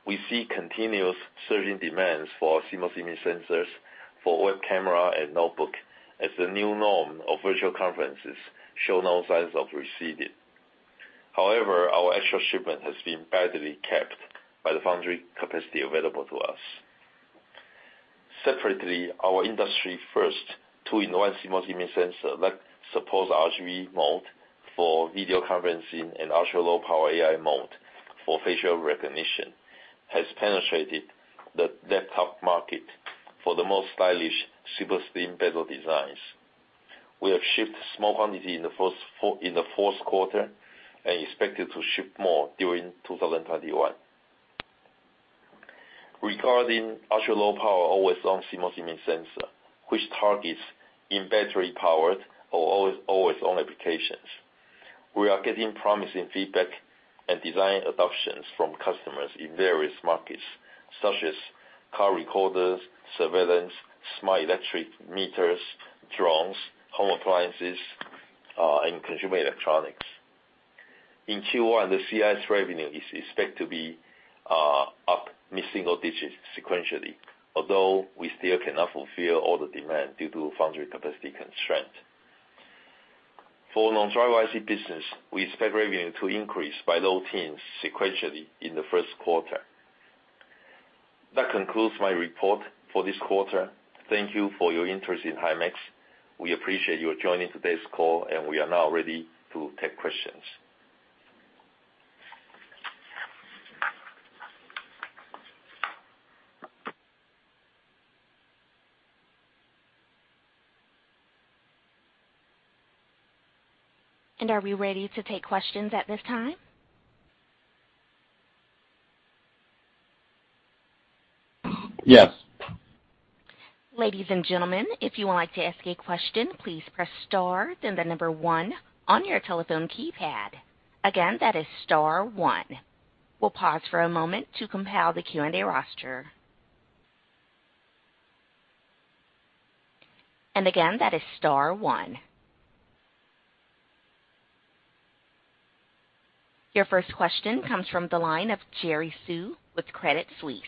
We see continuous surging demands for our CMOS image sensors for web camera and notebook, as the new norm of virtual conferences show no signs of receding. However, our actual shipment has been badly capped by the foundry capacity available to us. Separately, our industry first two-in-one CMOS image sensor that supports RGB mode for video conferencing and ultra-low power AI mode for facial recognition, has penetrated the laptop market for the most stylish super slim bezel designs. We have shipped small quantity in the fourth quarter and expected to ship more during 2021. Regarding ultra-low power always-on CMOS image sensor, which targets in battery powered or always-on applications. We are getting promising feedback and design adoptions from customers in various markets, such as car recorders, surveillance, smart electric meters, drones, home appliances, and consumer electronics. In Q1, the CIS revenue is expected to be up mid-single digits sequentially, although we still cannot fulfill all the demand due to foundry capacity constraint. For non-driver IC business, we expect revenue to increase by low teens sequentially in the first quarter. That concludes my report for this quarter. Thank you for your interest in Himax. We appreciate you joining today's call, and we are now ready to take questions. Are we ready to take questions at this time? Yes. Ladies and gentlemen, if you would like to ask a question, please press star then the number one on your telephone keypad. Again, that is star one. We'll pause for a moment to compile the Q&A roster. Again, that is star one. Your first question comes from the line of Jerry Su with Credit Suisse.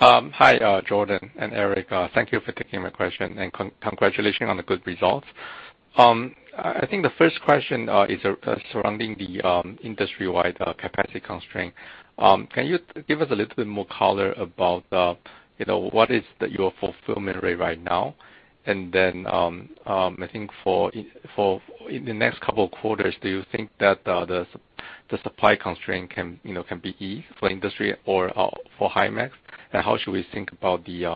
Hi, Jordan and Eric. Thank you for taking my question, congratulations on the good results. I think the first question is surrounding the industry-wide capacity constraint. Can you give us a little bit more color about what is your fulfillment rate right now? I think in the next couple of quarters, do you think that the supply constraint can be eased for industry or for Himax? How should we think about the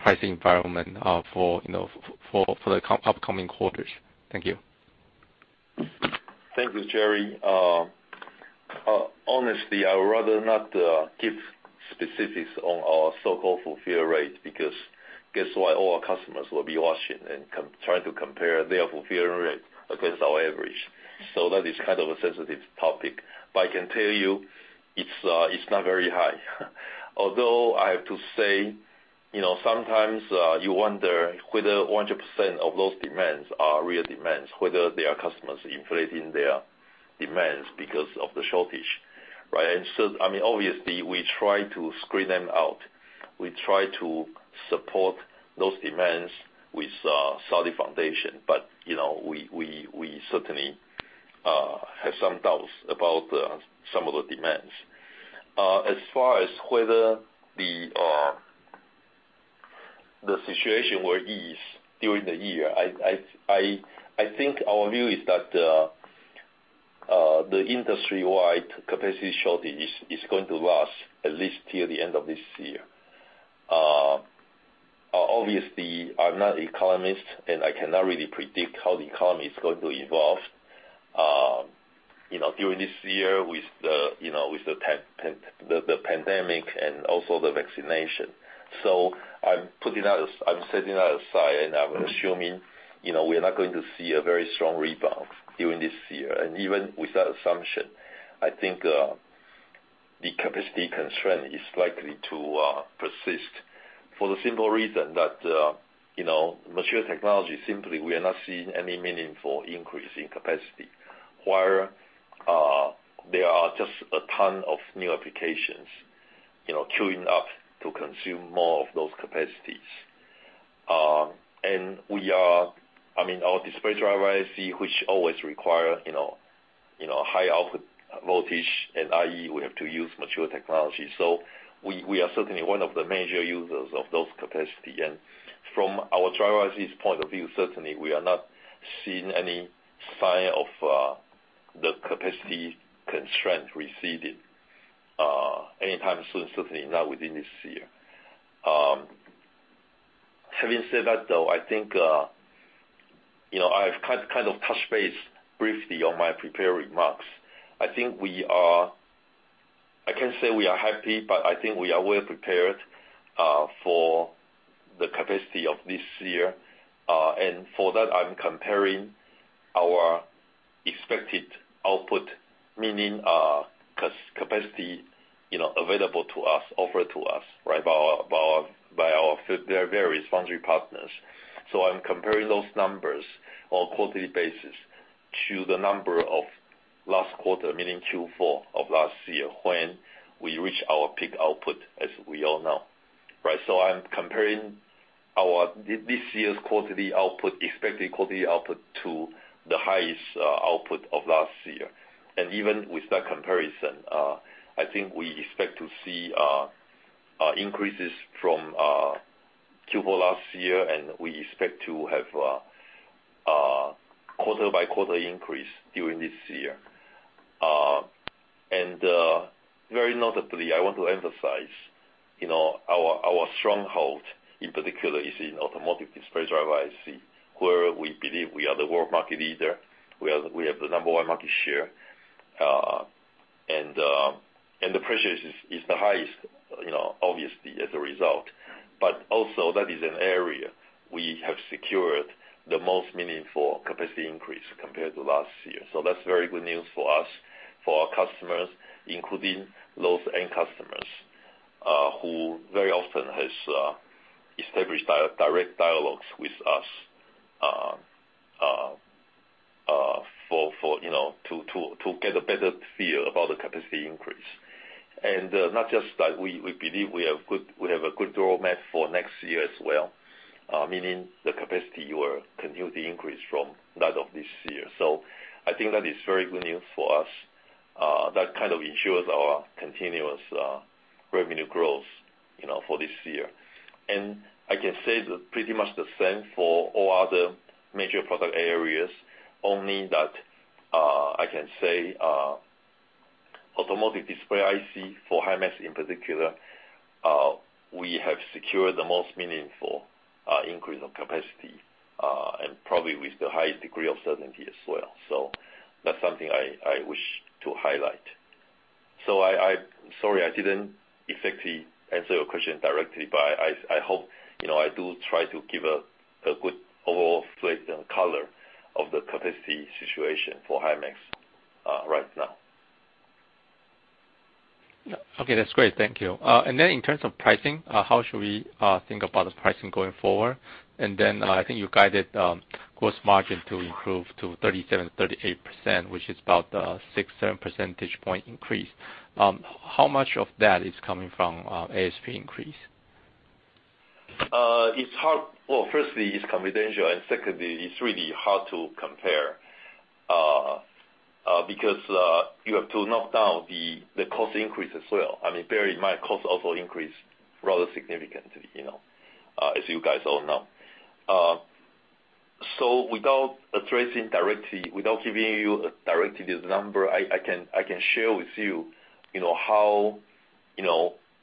pricing environment for the upcoming quarters? Thank you. Thank you, Jerry. Honestly, I would rather not give specifics on our so-called fulfill rate because guess what? All our customers will be watching and trying to compare their fulfill rate against our average. That is kind of a sensitive topic. I can tell you it's not very high. I have to say, sometimes, you wonder whether 100% of those demands are real demands, whether they are customers inflating their demands because of the shortage. Right? Obviously, we try to screen them out. We try to support those demands with a solid foundation. We certainly have some doubts about some of the demands. As far as whether the situation will ease during the year, I think our view is that the industry-wide capacity shortage is going to last at least till the end of this year. I'm not economist, and I cannot really predict how the economy is going to evolve during this year with the pandemic and also the vaccination. I'm setting that aside, and I'm assuming we're not going to see a very strong rebound during this year. Even with that assumption, I think the capacity constraint is likely to persist for the simple reason that mature technology, simply, we are not seeing any meaningful increase in capacity. While there are just a ton of new applications queuing up to consume more of those capacities. Our display driver IC, which always require high output voltage and IE, we have to use mature technology. We are certainly one of the major users of those capacity. From our driver ICs point of view, certainly, we are not seeing any sign of the capacity constraint receding anytime soon, certainly not within this year. Having said that, though, I think I've touched base briefly on my prepared remarks. I can't say we are happy, but I think we are well-prepared for the capacity of this year. For that, I'm comparing our expected output, meaning capacity available to us, offered to us by their various foundry partners. I'm comparing those numbers on a quarterly basis to the number of last quarter, meaning Q4 of last year, when we reached our peak output, as we all know. I'm comparing this year's expected quarterly output to the highest output of last year. Even with that comparison, I think we expect to see increases from Q4 last year, and we expect to have quarter-by-quarter increase during this year. Very notably, I want to emphasize, our stronghold in particular is in automotive display driver IC, where we believe we are the world market leader. We have the number one market share. The pressure is the highest, obviously, as a result. Also that is an area we have secured the most meaningful capacity increase compared to last year. That's very good news for us, for our customers, including those end customers, who very often have established direct dialogues with us to get a better feel about the capacity increase. Not just that, we believe we have a good roadmap for next year as well, meaning the capacity will continue to increase from that of this year. I think that is very good news for us. That kind of ensures our continuous revenue growth for this year. I can say pretty much the same for all other major product areas. Only that I can say automotive display IC for Himax in particular, we have secured the most meaningful increase of capacity, and probably with the highest degree of certainty as well. That's something I wish to highlight. Sorry, I didn't exactly answer your question directly, but I hope I do try to give a good overall flavor and color of the capacity situation for Himax right now. Okay, that's great. Thank you. In terms of pricing, how should we think about the pricing going forward? I think you guided gross margin to improve to 37%, 38%, which is about six, seven percentage point increase. How much of that is coming from ASP increase? Well, firstly, it's confidential, secondly, it's really hard to compare, because you have to knock down the cost increase as well. I mean, very much cost also increased rather significantly, as you guys all know. Without addressing directly, without giving you directly this number, I can share with you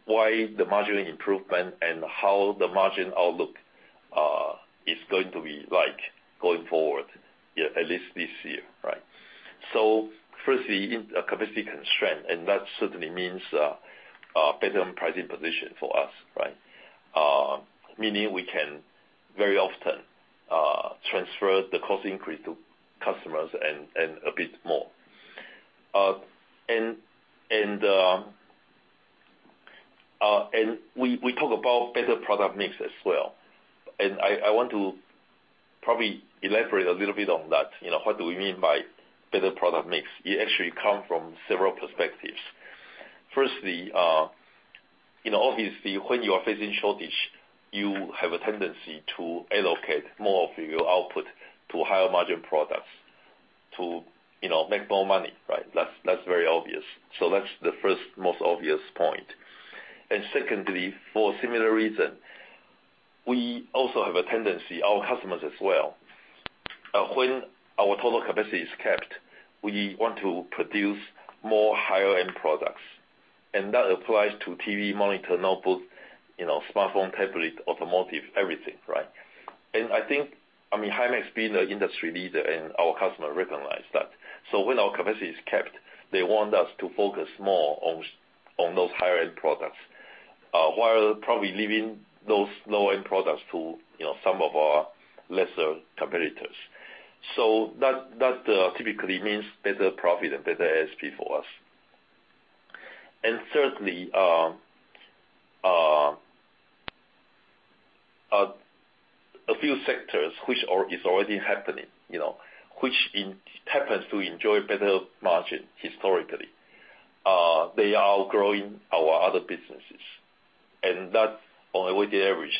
why the margin improvement and how the margin outlook is going to be like going forward, at least this year. Firstly, in a capacity constraint, that certainly means a better pricing position for us. Meaning we can very often transfer the cost increase to customers and a bit more. We talk about better product mix as well. I want to probably elaborate a little bit on that. What do we mean by better product mix? It actually comes from several perspectives. Firstly, obviously, when you are facing shortage, you have a tendency to allocate more of your output to higher margin products to make more money. That's very obvious. That's the first, most obvious point. Secondly, for a similar reason, we also have a tendency, our customers as well, when our total capacity is kept, we want to produce more higher-end products. That applies to TV, monitor, notebook, smartphone, tablet, automotive, everything. I think, Himax being an industry leader and our customer recognize that. When our capacity is kept, they want us to focus more on those higher-end products, while probably leaving those lower-end products to some of our lesser competitors. That typically means better profit and better ASP for us. Thirdly, a few sectors, which is already happening, which happens to enjoy better margin historically. They are outgrowing our other businesses, that on a weighted average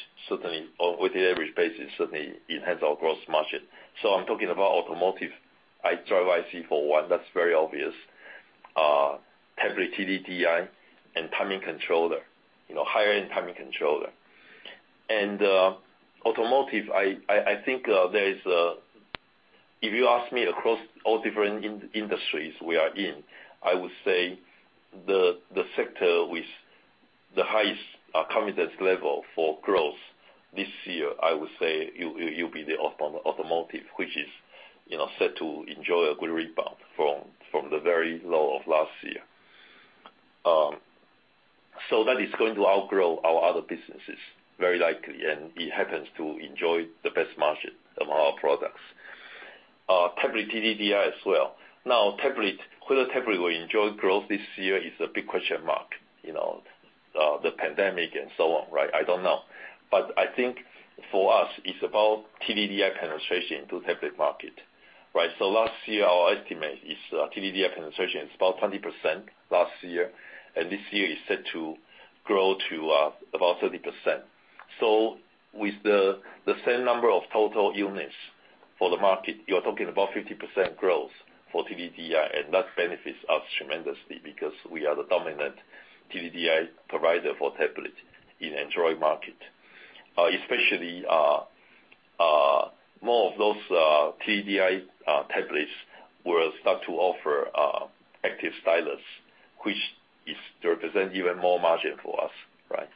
basis, certainly enhance our gross margin. I'm talking about automotive. drive IC for one, that's very obvious. Tablet TDDI and timing controller, higher-end timing controller. Automotive, I think if you ask me across all different industries we are in, I would say the sector with the highest confidence level for growth this year, I would say it will be the automotive, which is set to enjoy a good rebound from the very low of last year. That is going to outgrow our other businesses, very likely, it happens to enjoy the best margin among our products. Tablet TDDI as well. Whether tablet will enjoy growth this year is a big question mark. I don't know. I think for us, it's about TDDI penetration to tablet market. Last year, our estimate is TDDI penetration is about 20% last year. This year is set to grow to about 30%. With the same number of total units for the market, you're talking about 50% growth for TDDI, and that benefits us tremendously because we are the dominant TDDI provider for tablet in Android market. Especially, more of those TDDI tablets will start to offer active stylus, which represent even more margin for us. Right?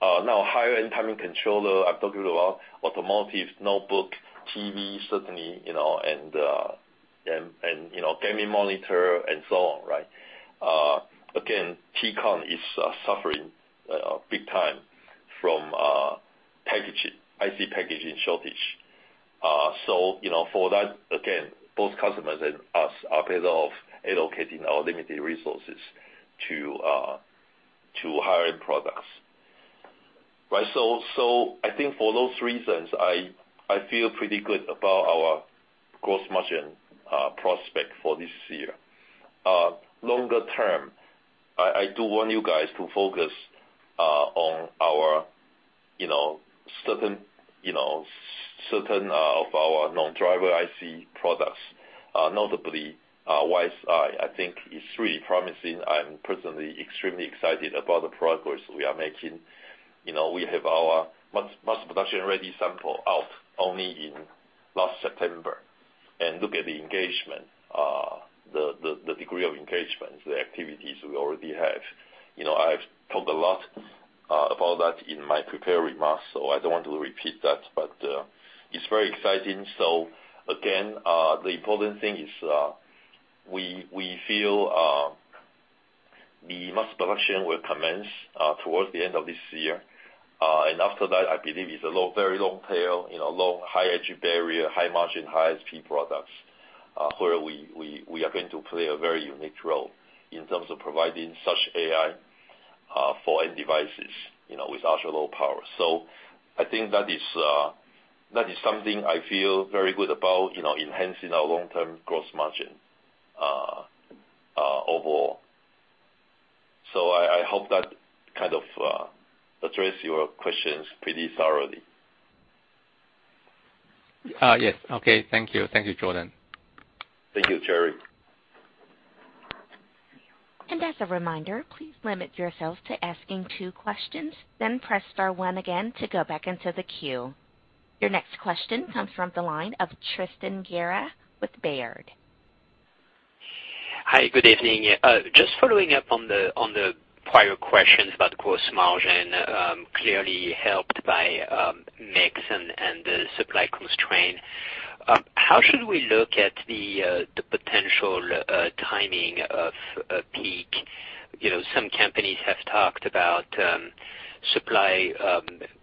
Higher-end timing controller, I've talked a little about automotive, notebook, TV, certainly, and gaming monitor and so on. Again, Tcon is suffering big time from IC packaging shortage. For that, again, both customers and us are better off allocating our limited resources to higher-end products. I think for those reasons, I feel pretty good about our gross margin prospect for this year. Longer term, I do want you guys to focus on certain of our non-driver IC products. Notably, WiseEye, I think is really promising. I'm personally extremely excited about the progress we are making. We have our mass production-ready sample out only in last September. Look at the degree of engagement, the activities we already have. I've talked a lot about that in my prepared remarks, I don't want to repeat that, it's very exciting. Again, the important thing is, we feel the mass production will commence towards the end of this year. After that, I believe it's a very long tail, high entry barrier, high margin, high speed products. Where we are going to play a very unique role in terms of providing such AI for end devices with ultra-low power. I think that is something I feel very good about enhancing our long-term gross margin overall. I hope that kind of address your questions pretty thoroughly. Yes. Okay. Thank you. Thank you, Jordan. Thank you, Jerry. As a reminder, please limit yourselves to asking two questions, then press star one again to go back into the queue. Your next question comes from the line of Tristan Gerra with Baird. Hi, good evening. Just following up on the prior questions about gross margin, clearly helped by mix and the supply constraint. How should we look at the potential timing of peak? Some companies have talked about supply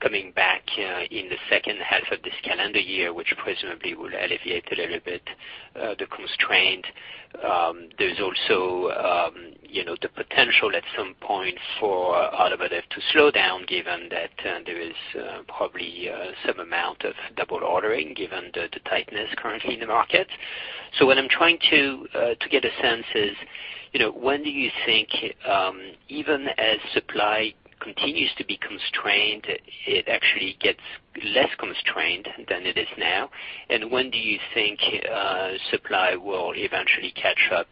coming back in the second half of this calendar year, which presumably will alleviate a little bit the constraint. There's also the potential at some point for automotive to slow down given that there is probably some amount of double ordering given the tightness currently in the market. What I'm trying to get a sense is, when do you think, even as supply continues to be constrained, it actually gets less constrained than it is now? And when do you think supply will eventually catch up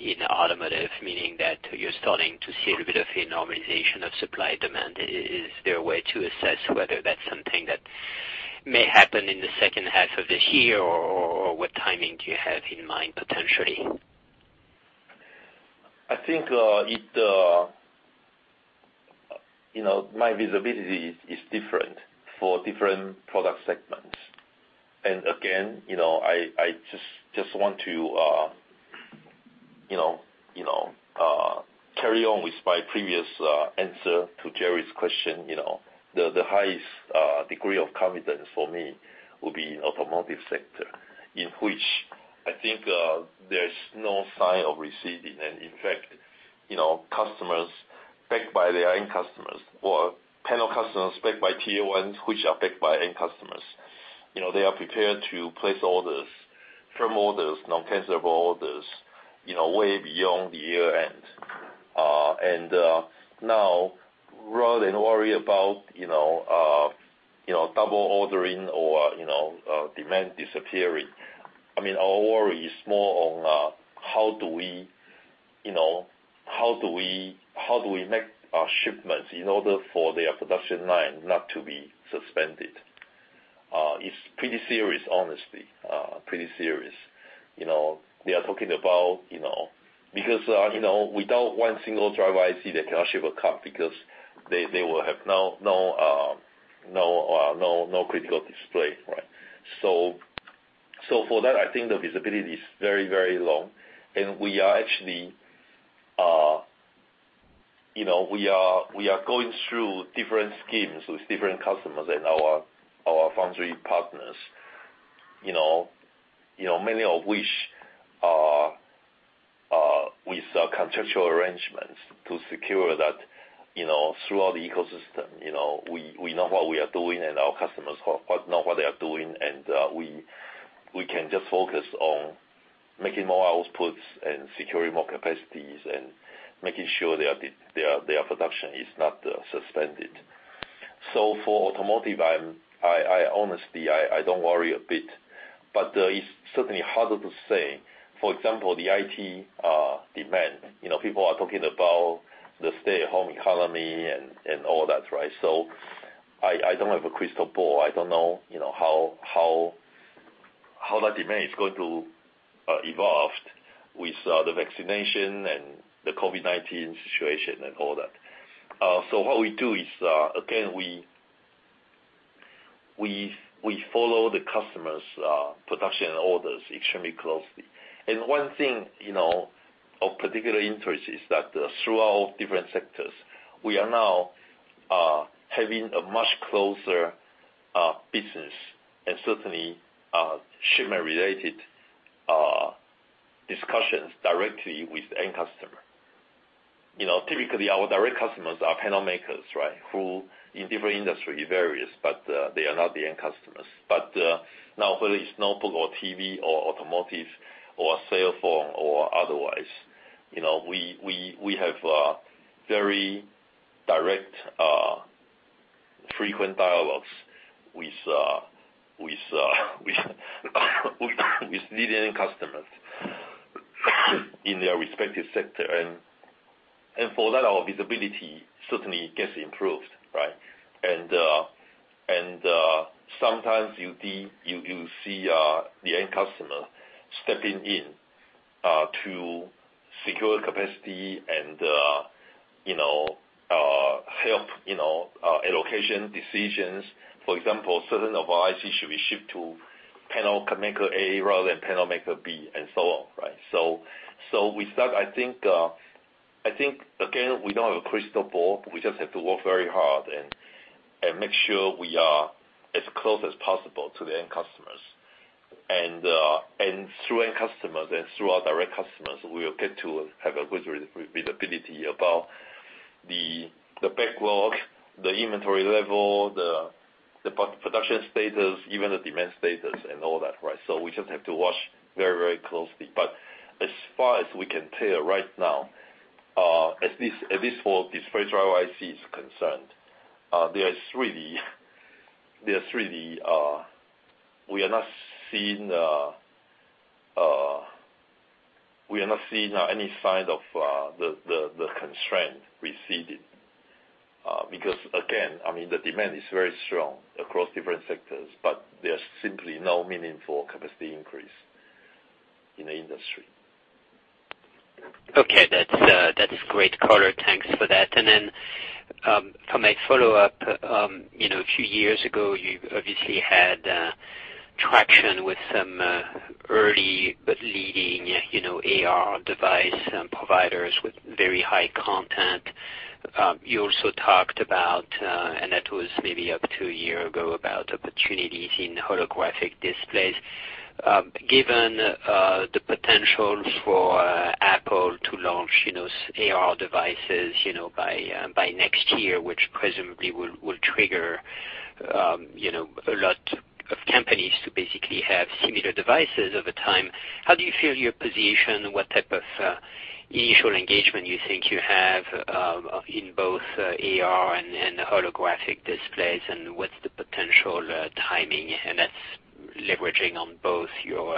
in automotive, meaning that you're starting to see a little bit of a normalization of supply-demand. Is there a way to assess whether that's something that may happen in the second half of this year, or what timing do you have in mind, potentially? I think my visibility is different for different product segments. Again, I just want to carry on with my previous answer to Jerry's question. The highest degree of confidence for me will be automotive sector, in which I think there's no sign of receding. In fact, customers backed by their end customers, or panel customers backed by Tier 1s, which are backed by end customers. They are prepared to place orders, firm orders, non-cancellable orders, way beyond the year-end. Now, rather than worry about double ordering or demand disappearing, our worry is more on how do we make our shipments in order for their production line not to be suspended? It's pretty serious, honestly. Pretty serious. They are talking about, because, without one single driver IC, they cannot ship a car because they will have no critical display, right? For that, I think the visibility is very, very low. We are actually going through different schemes with different customers and our foundry partners. Many of which are with contractual arrangements to secure that throughout the ecosystem. We know what we are doing, and our customers know what they are doing, and we can just focus on making more outputs and securing more capacities and making sure their production is not suspended. For automotive, honestly, I don't worry a bit, but it's certainly harder to say, for example, the IT demand. People are talking about the stay-at-home economy and all that, right? I don't have a crystal ball. I don't know how that demand is going to evolve with the vaccination and the COVID-19 situation and all that. What we do is, again, we follow the customers' production orders extremely closely. One thing, of particular interest is that throughout different sectors, we are now having a much closer business and certainly, shipment-related discussions directly with the end customer. Typically, our direct customers are panel makers, right, who in different industry varies, but they are not the end customers. Now whether it's notebook or TV or automotive or cell phone or otherwise. We have very direct frequent dialogues with leading customers in their respective sector. For that, our visibility certainly gets improved, right? Sometimes you see the end customer stepping in to secure capacity and help allocation decisions. For example, certain of our IC should be shipped to panel maker A rather than panel maker B and so on, right? We start, I think, again, we don't have a crystal ball. We just have to work very hard and make sure we are as close as possible to the end customers. Through end customers and through our direct customers, we are paid to have a good visibility about the backlog, the inventory level, the production status, even the demand status and all that, right? We just have to watch very closely. As far as we can tell right now, at least for display driver IC is concerned, we are not seeing any sign of the constraint receding. Again, I mean, the demand is very strong across different sectors, but there's simply no meaningful capacity increase in the industry. Okay. That's great, color. Thanks for that. For my follow-up. A few years ago, you obviously had traction with some early leading AR device providers with very high content. You also talked about, and that was maybe up to a year ago, about opportunities in holographic displays. Given the potential for Apple to launch AR devices by next year, which presumably will trigger a lot of companies to basically have similar devices over time. How do you feel you're positioned? What type of initial engagement you think you have in both AR and holographic displays, and what's the potential timing? That's leveraging on both your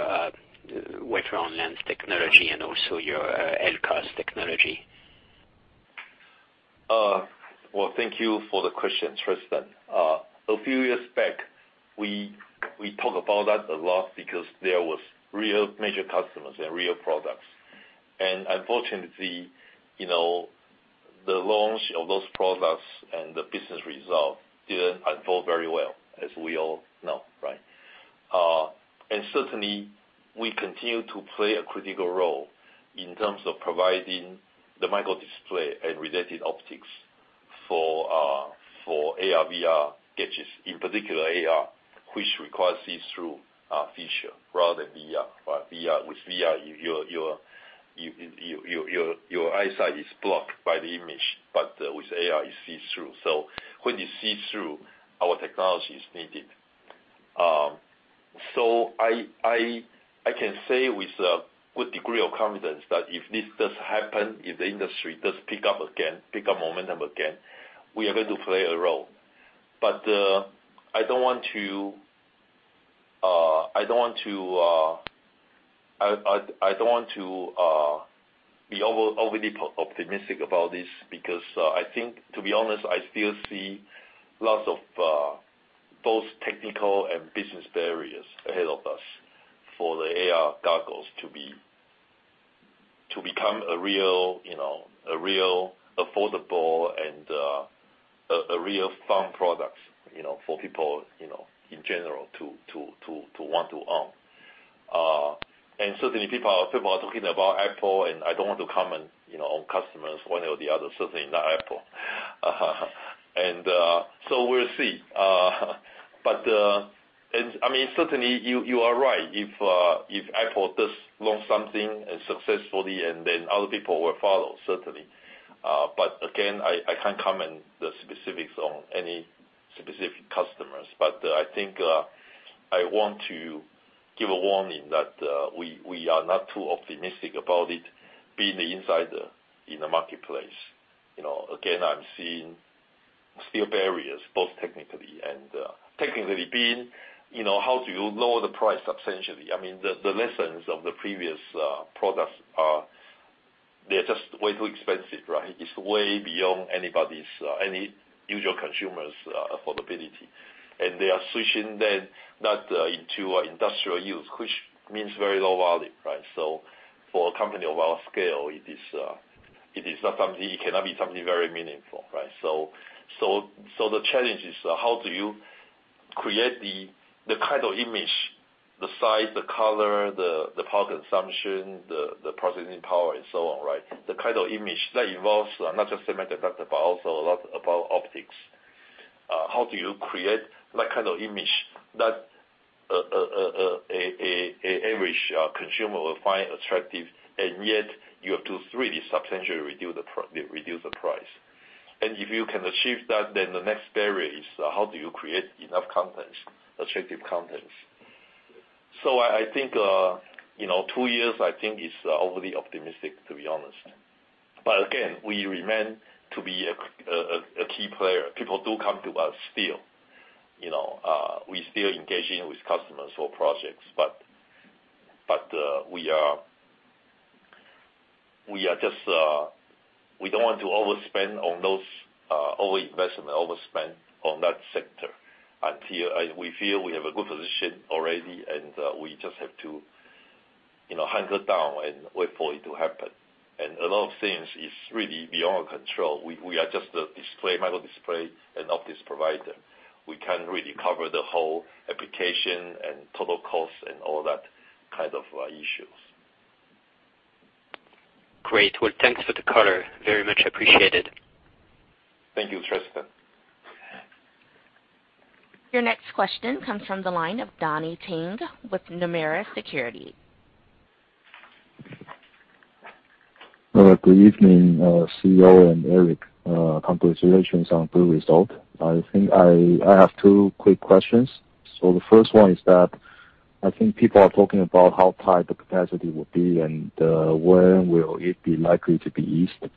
wafer on lens technology and also your LCOS technology. Well, thank you for the question, Tristan. A few years back, we talked about that a lot because there was real major customers and real products. Unfortunately, the launch of those products and the business result didn't unfold very well, as we all know, right? Certainly, we continue to play a critical role in terms of providing the microdisplay and related optics for AR/VR gadgets, in particular AR, which requires see-through feature rather than VR. With VR, your eyesight is blocked by the image. With AR, you see through. When you see through, our technology is needed. I can say with a good degree of confidence that if this does happen, if the industry does pick up momentum again, we are going to play a role. I don't want to be overly optimistic about this, because I think, to be honest, I still see lots of both technical and business barriers ahead of us for the AR goggles to become a real affordable and a real fun product for people in general to want to own. Certainly, people are talking about Apple, and I don't want to comment on customers, one way or the other, certainly not Apple. We'll see. Certainly, you are right. If Apple does launch something successfully and then other people will follow, certainly. Again, I can't comment the specifics on any specific customers. I want to give a warning that we are not too optimistic about it being the insider in the marketplace. Again, I'm seeing still barriers, both technically and technically being, how do you lower the price substantially? The lessons of the previous products are they're just way too expensive. It's way beyond any usual consumer's affordability. They are switching then that into industrial use, which means very low volume. For a company of our scale, it cannot be something very meaningful. The challenge is how do you create the kind of image, the size, the color, the power consumption, the processing power and so on. The kind of image that involves not just semiconductor, but also a lot about optics. How do you create that kind of image that an average consumer will find attractive, and yet you have to really substantially reduce the price. If you can achieve that, then the next barrier is how do you create enough attractive content. I think two years, I think is overly optimistic, to be honest. Again, we remain to be a key player. People do come to us still. We still engaging with customers for projects. We don't want to overspend on over investment, overspend on that sector until we feel we have a good position already and we just have to hunker down and wait for it to happen. A lot of things is really beyond our control. We are just a micro display and optics provider. We can't really cover the whole application and total cost and all that kind of issues. Great. Well, thanks for the color. Very much appreciated. Thank you, Tristan. Your next question comes from the line of Donnie Teng with Nomura Securities. Good evening, CEO and Eric. Congratulations on the result. I think I have two quick questions. The first one is that I think people are talking about how tight the capacity will be and when will it be likely to be eased.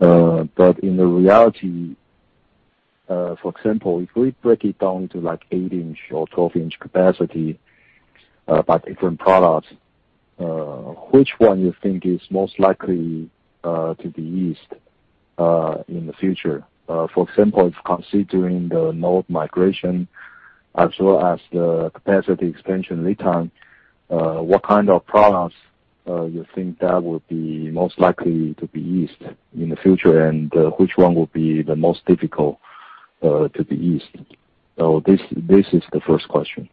In the reality, for example, if we break it down to 8-inch or 12-inch capacity by different products, which one you think is most likely to be eased in the future? For example, if considering the node migration as well as the capacity expansion lead time, what kind of products you think that would be most likely to be eased in the future, and which one would be the most difficult to be eased? This is the first question.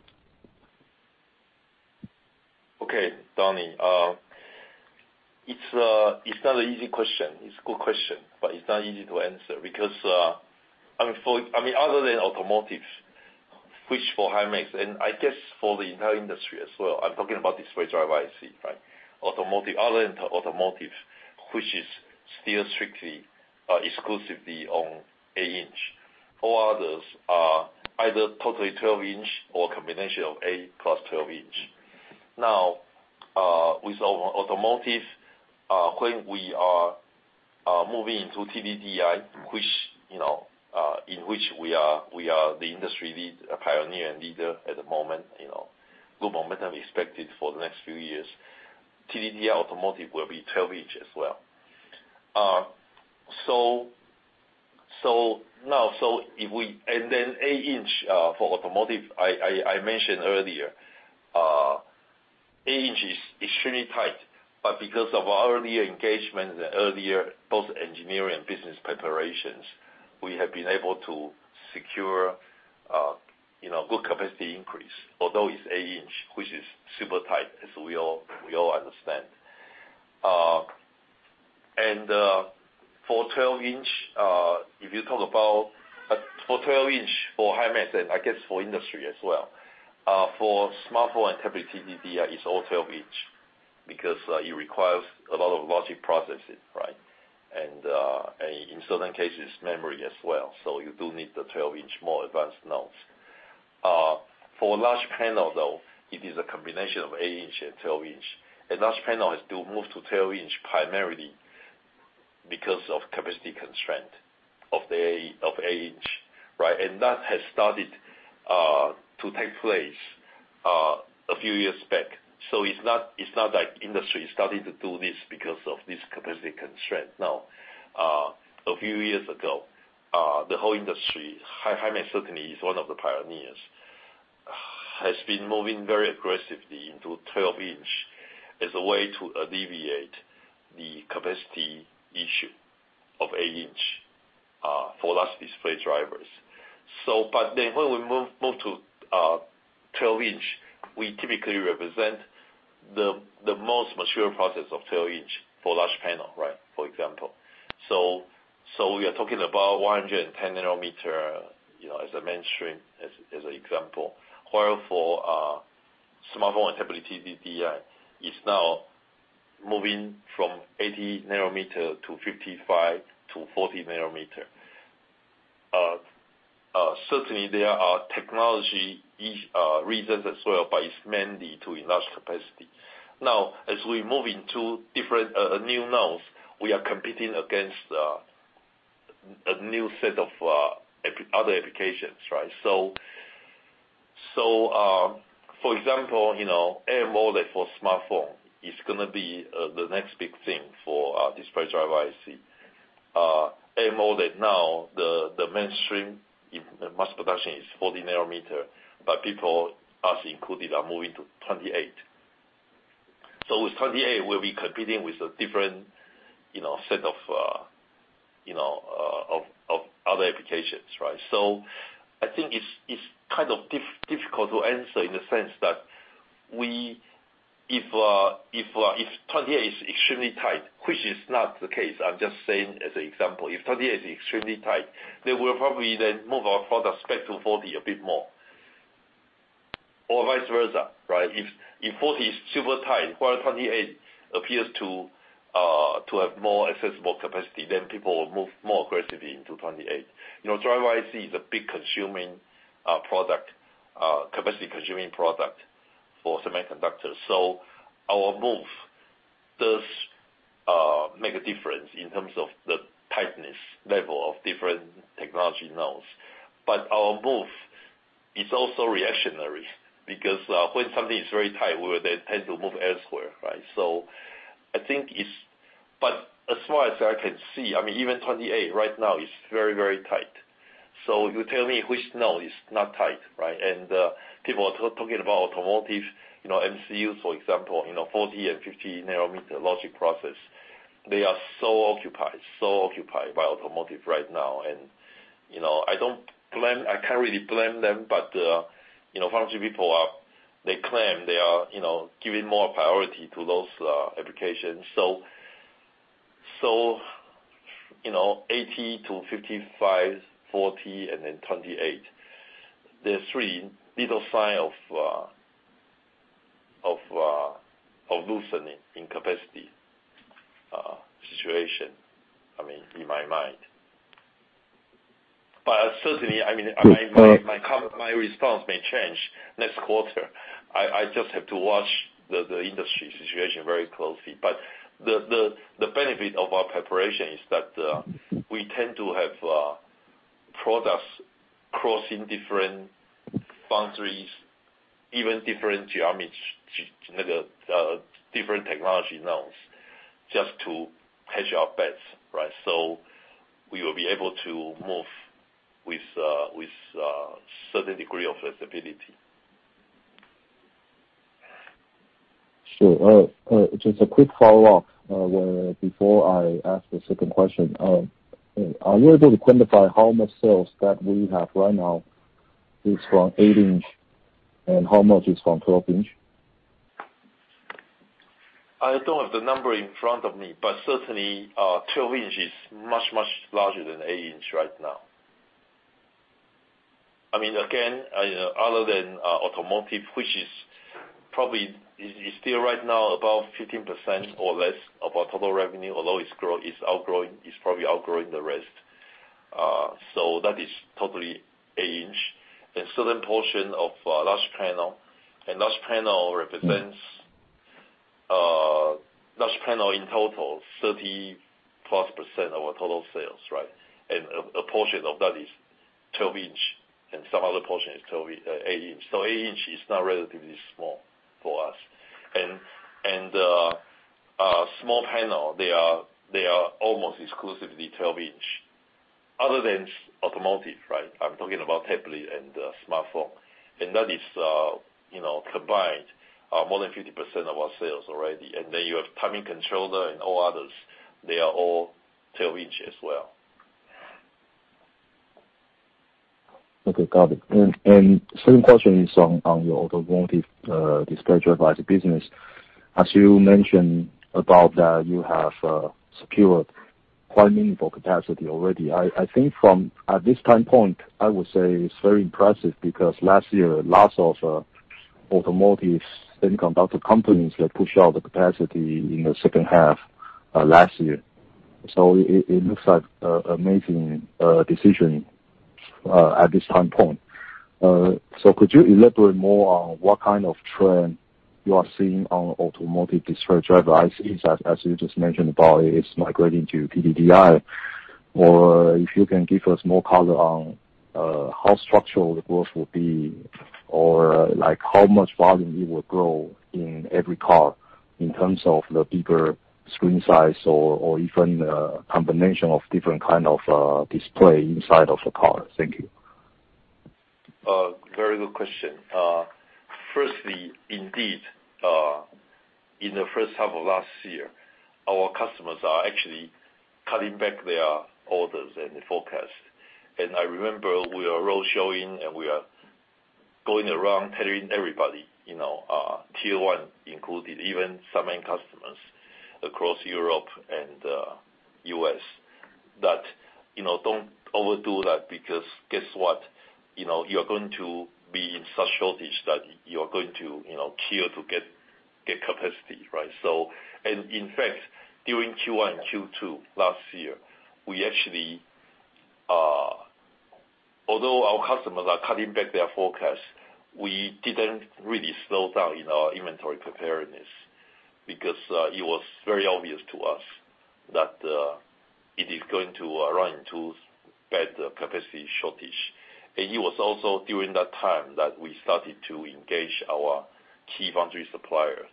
Okay. Donnie, it's not an easy question. It's a good question, but it's not easy to answer because, other than automotive, which for Himax, and I guess for the entire industry as well, I'm talking about display driver IC. Other than automotive, which is still strictly, exclusively on 8-inch. All others are either totally 12 inch or combination of 8-inch plus 12 inch. Now, with automotive, when we are moving into TDDI, in which we are the industry pioneer and leader at the moment. Good momentum expected for the next few years. TDDI automotive will be 12 inch as well. 8-inch for automotive, I mentioned earlier, 8-inch is extremely tight. Because of our early engagement and earlier both engineering business preparations, we have been able to secure good capacity increase, although it's 8-inch, which is super tight, as we all understand. For 12-inch, if you talk about for 12-inch, for Himax, and I guess for industry as well, for smartphone and tablet TDDI, it's all 12 inch because it requires a lot of logic processing. In certain cases, memory as well. You do need the 12-inch, more advanced nodes. For large panel, though, it is a combination of 8-inch and 12-inch. A large panel has still moved to 12 inch primarily because of capacity constraint of 8-inch That has started to take place a few years back. It's not that industry started to do this because of this capacity constraint. Now, a few years ago, the whole industry, Himax certainly is one of the pioneers, has been moving very aggressively into 12 inch as a way to alleviate the capacity issue of 8 inch for large display drivers. When we move to 12-inch, we typically represent the most mature process of 12-inch for large panel. For example, we are talking about 110-nanometer, as a mainstream, as an example. For smartphone and tablet TDDI, it's now moving from 80-nanometer to 55 to 40-nanometer. Certainly, there are technology reasons as well, but it's mainly to enlarge capacity. As we move into different, new nodes, we are competing against a new set of other applications. For example, AMOLED for smartphone is going to be the next big thing for display driver IC. AMOLED now, the mainstream in mass production is 44-nanometer, but people, us included, are moving to 28. With 28, we'll be competing with a different set of other applications. I think it's difficult to answer in the sense that, if 28 is extremely tight, which is not the case, I'm just saying as an example, if 28 is extremely tight, they will probably then move our product spec to 40 a bit more. Vice versa. If 40 is super tight, while 28 appears to have more accessible capacity, then people will move more aggressively into 28. Driver IC is a big capacity consuming product for semiconductors. Our move does make a difference in terms of the tightness level of different technology nodes. Our move is also reactionary, because, when something is very tight, we would then tend to move elsewhere. As far as I can see, even 28 right now is very tight. You tell me which node is not tight. People are talking about automotive, MCUs, for example, 40 and 50 nanometer logic process. They are so occupied by automotive right now. I can't really blame them, but foundry people, they claim they are giving more priority to those applications. 80 to 55, 40, and then 28. These are three little signs of loosening in capacity situation, in my mind. Certainly, my response may change next quarter. I just have to watch the industry situation very closely. The benefit of our preparation is that we tend to have products crossing different boundaries, even different technology nodes just to hedge our bets. We will be able to move with certain degree of flexibility. Sure. Just a quick follow-up, before I ask the second question. Are you able to quantify how much sales that we have right now is from 8 inch and how much is from 12 inch? I don't have the number in front of me, but certainly, 12 inch is much larger than 8-inch right now. Again, other than automotive, which is still right now about 15% or less of our total revenue, although it's probably outgrowing the rest. That is totally 8-inch and certain portion of large panel. Large panel in total, 30+% of our total sales. A portion of that is 12 inch and some other portion is 8-inch. 8-inch is now relatively small for us. Small panel, they are almost exclusively 12-inch other than automotive. I'm talking about tablet and smartphone. That is combined more than 50% of our sales already. You have timing controller and all others. They are all 12-inch as well. Okay, got it. Second question is on your automotive display driver ICs business. As you mentioned about that you have secured quite meaningful capacity already. I think at this time point, I would say it is very impressive because last year, lots of automotive semiconductor companies that pushed out the capacity in the second half last year. It looks like amazing decision at this time point. Could you elaborate more on what kind of trend you are seeing on automotive display driver ICs, as you just mentioned about it is migrating to TDDI. If you can give us more color on how structural the growth will be or how much volume it will grow in every car in terms of the bigger screen size or even a combination of different kind of display inside of the car. Thank you. Very good question. Firstly, indeed, in the first half of last year, our customers are actually cutting back their orders and the forecast. I remember we are road showing, and we are going around telling everybody, Tier 1 included, even some end customers across Europe and U.S., that don't overdo that because guess what? You're going to be in such shortage that you're going to kill to get capacity, right? In fact, during Q1 and Q2 last year, although our customers are cutting back their forecast, we didn't really slow down in our inventory preparedness because it was very obvious to us that it is going to run into bad capacity shortage. It was also during that time that we started to engage our key foundry supplier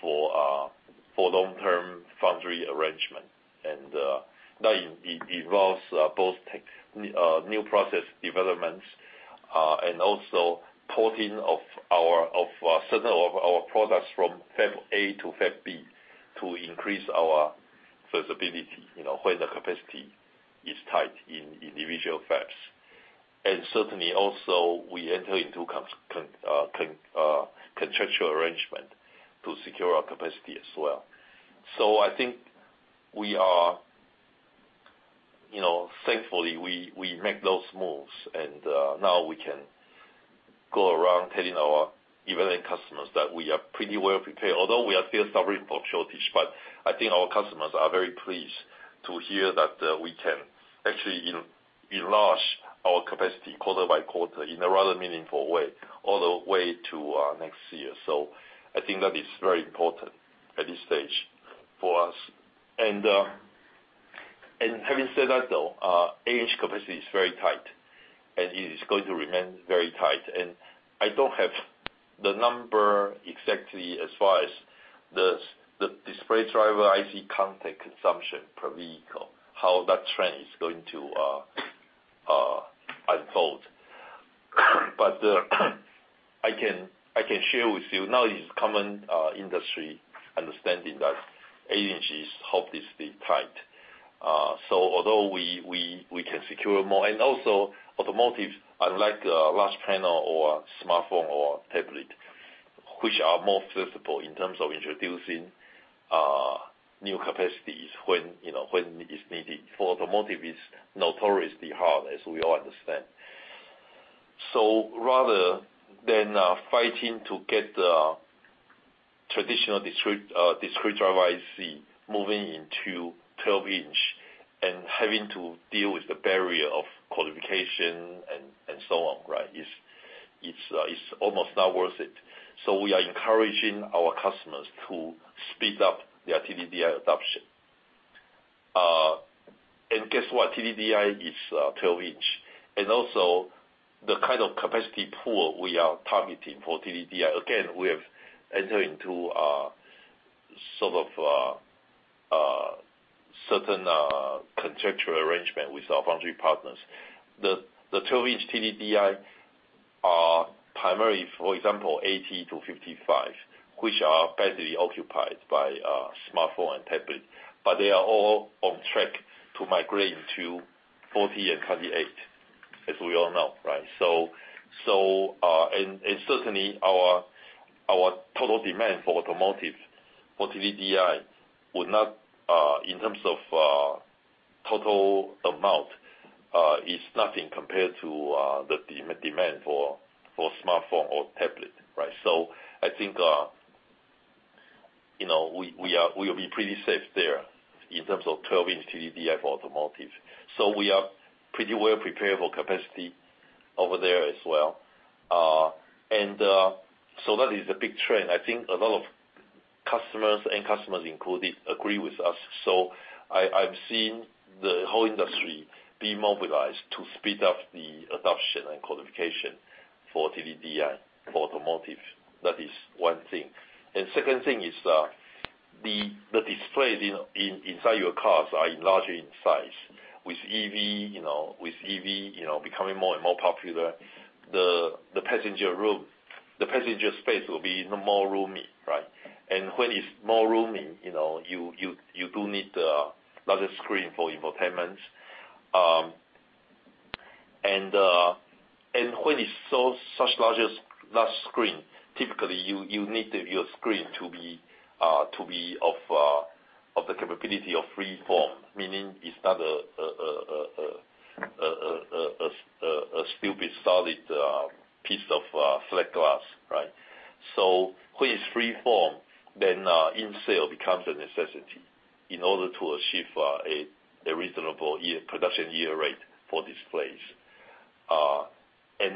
for long-term foundry arrangement. That involves both new process developments, and also porting of certain of our products from fab A to fab B to increase our flexibility, when the capacity is tight in individual fabs. Certainly also we enter into contractual arrangement to secure our capacity as well. I think thankfully, we make those moves and now we can go around telling our end customers that we are pretty well prepared, although we are still suffering from shortage, but I think our customers are very pleased to hear that we can actually enlarge our capacity quarter by quarter in a rather meaningful way, all the way to next year. I think that is very important at this stage for us. Having said that, though, 8-inch capacity is very tight, and it is going to remain very tight. I don't have the number exactly as far as the display driver IC content consumption per vehicle, how that trend is going to unfold. I can share with you now it's common industry understanding that 8-inch is hopelessly tight. Although we can secure more, and also automotive, unlike large panel or smartphone or tablet, which are more flexible in terms of introducing new capacities when it's needed. For automotive, it's notoriously hard, as we all understand. Rather than fighting to get the traditional discrete driver IC moving into 12-inch and having to deal with the barrier of qualification and so on. It's almost not worth it. We are encouraging our customers to speed up their TDDI adoption. Guess what. TDDI is 12-inch. The kind of capacity pool we are targeting for TDDI, again, we have entered into a certain contractual arrangement with our foundry partners. The 12-inch TDDI are primarily, for example, 80 to 55, which are basically occupied by smartphone and tablet, they are all on track to migrate into 40 and 28, as we all know. Our total demand for automotive, for TDDI, in terms of total amount, is nothing compared to the demand for smartphone or tablet. I think we'll be pretty safe there in terms of 12-inch TDDI for automotive. We are pretty well prepared for capacity over there as well. That is the big trend. I think a lot of customers and customers included, agree with us. I've seen the whole industry be mobilized to speed up the adoption and qualification for TDDI for automotive. That is one thing. Second thing is, the displays inside your cars are enlarging in size. With EV becoming more and more popular, the passenger space will be more roomy. When it's more roomy, you do need a larger screen for infotainment. When it's such large screen, typically you need your screen to be of the capability of free form, meaning it's not a stupid solid piece of flat glass. When it's free form, then in-cell becomes a necessity in order to achieve a reasonable production yield rate for displays.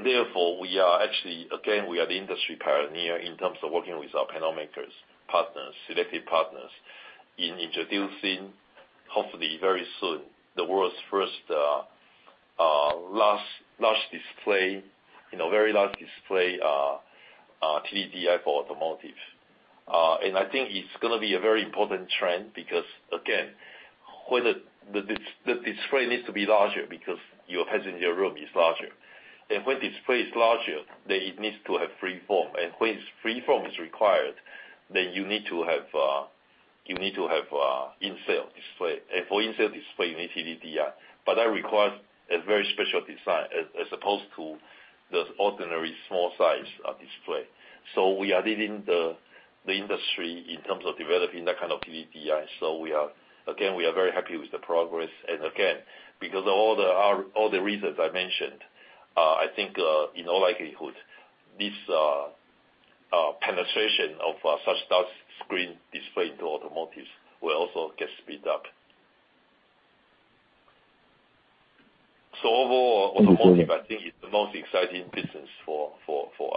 Therefore, we are actually, again, we are the industry pioneer in terms of working with our panel makers, partners, selected partners, in introducing, hopefully very soon, the world's first large display, very large display TDDI for automotive. I think it's going to be a very important trend because, again, when the display needs to be larger because your passenger room is larger, and when display is larger, then it needs to have free form. When free form is required, then you need to have in-cell display. For in-cell display, you need TDDI. That requires a very special design, as opposed to the ordinary small size display. We are leading the industry in terms of developing that kind of TDDI. Again, we are very happy with the progress. Again, because of all the reasons I mentioned, I think, in all likelihood, this penetration of such large screen display into automotives will also get speed up. automotive, I think, is the most exciting business for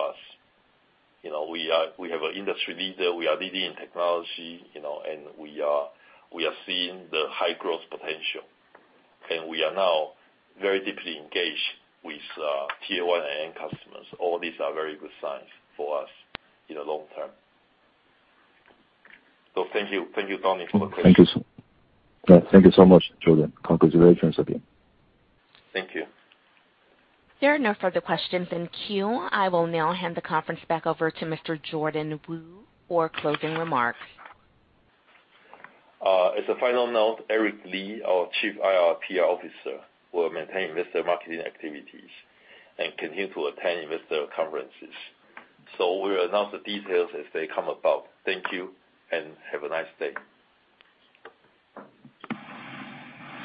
us. We have an industry leader, we are leading in technology, and we are seeing the high-growth potential. We are now very deeply engaged with Tier 1 and end customers. All these are very good signs for us in the long term. Thank you. Thank you, Donnie, for the patience. Thank you so much, Jordan. Congratulations again. Thank you. There are no further questions in queue. I will now hand the conference back over to Mr. Jordan Wu for closing remarks. As a final note, Eric Li, our Chief IR/PR Officer, will maintain investor marketing activities and continue to attend investor conferences. We'll announce the details as they come about. Thank you, and have a nice day.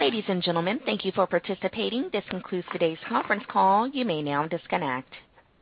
Ladies and gentlemen, thank you for participating. This concludes today's conference call. You may now disconnect.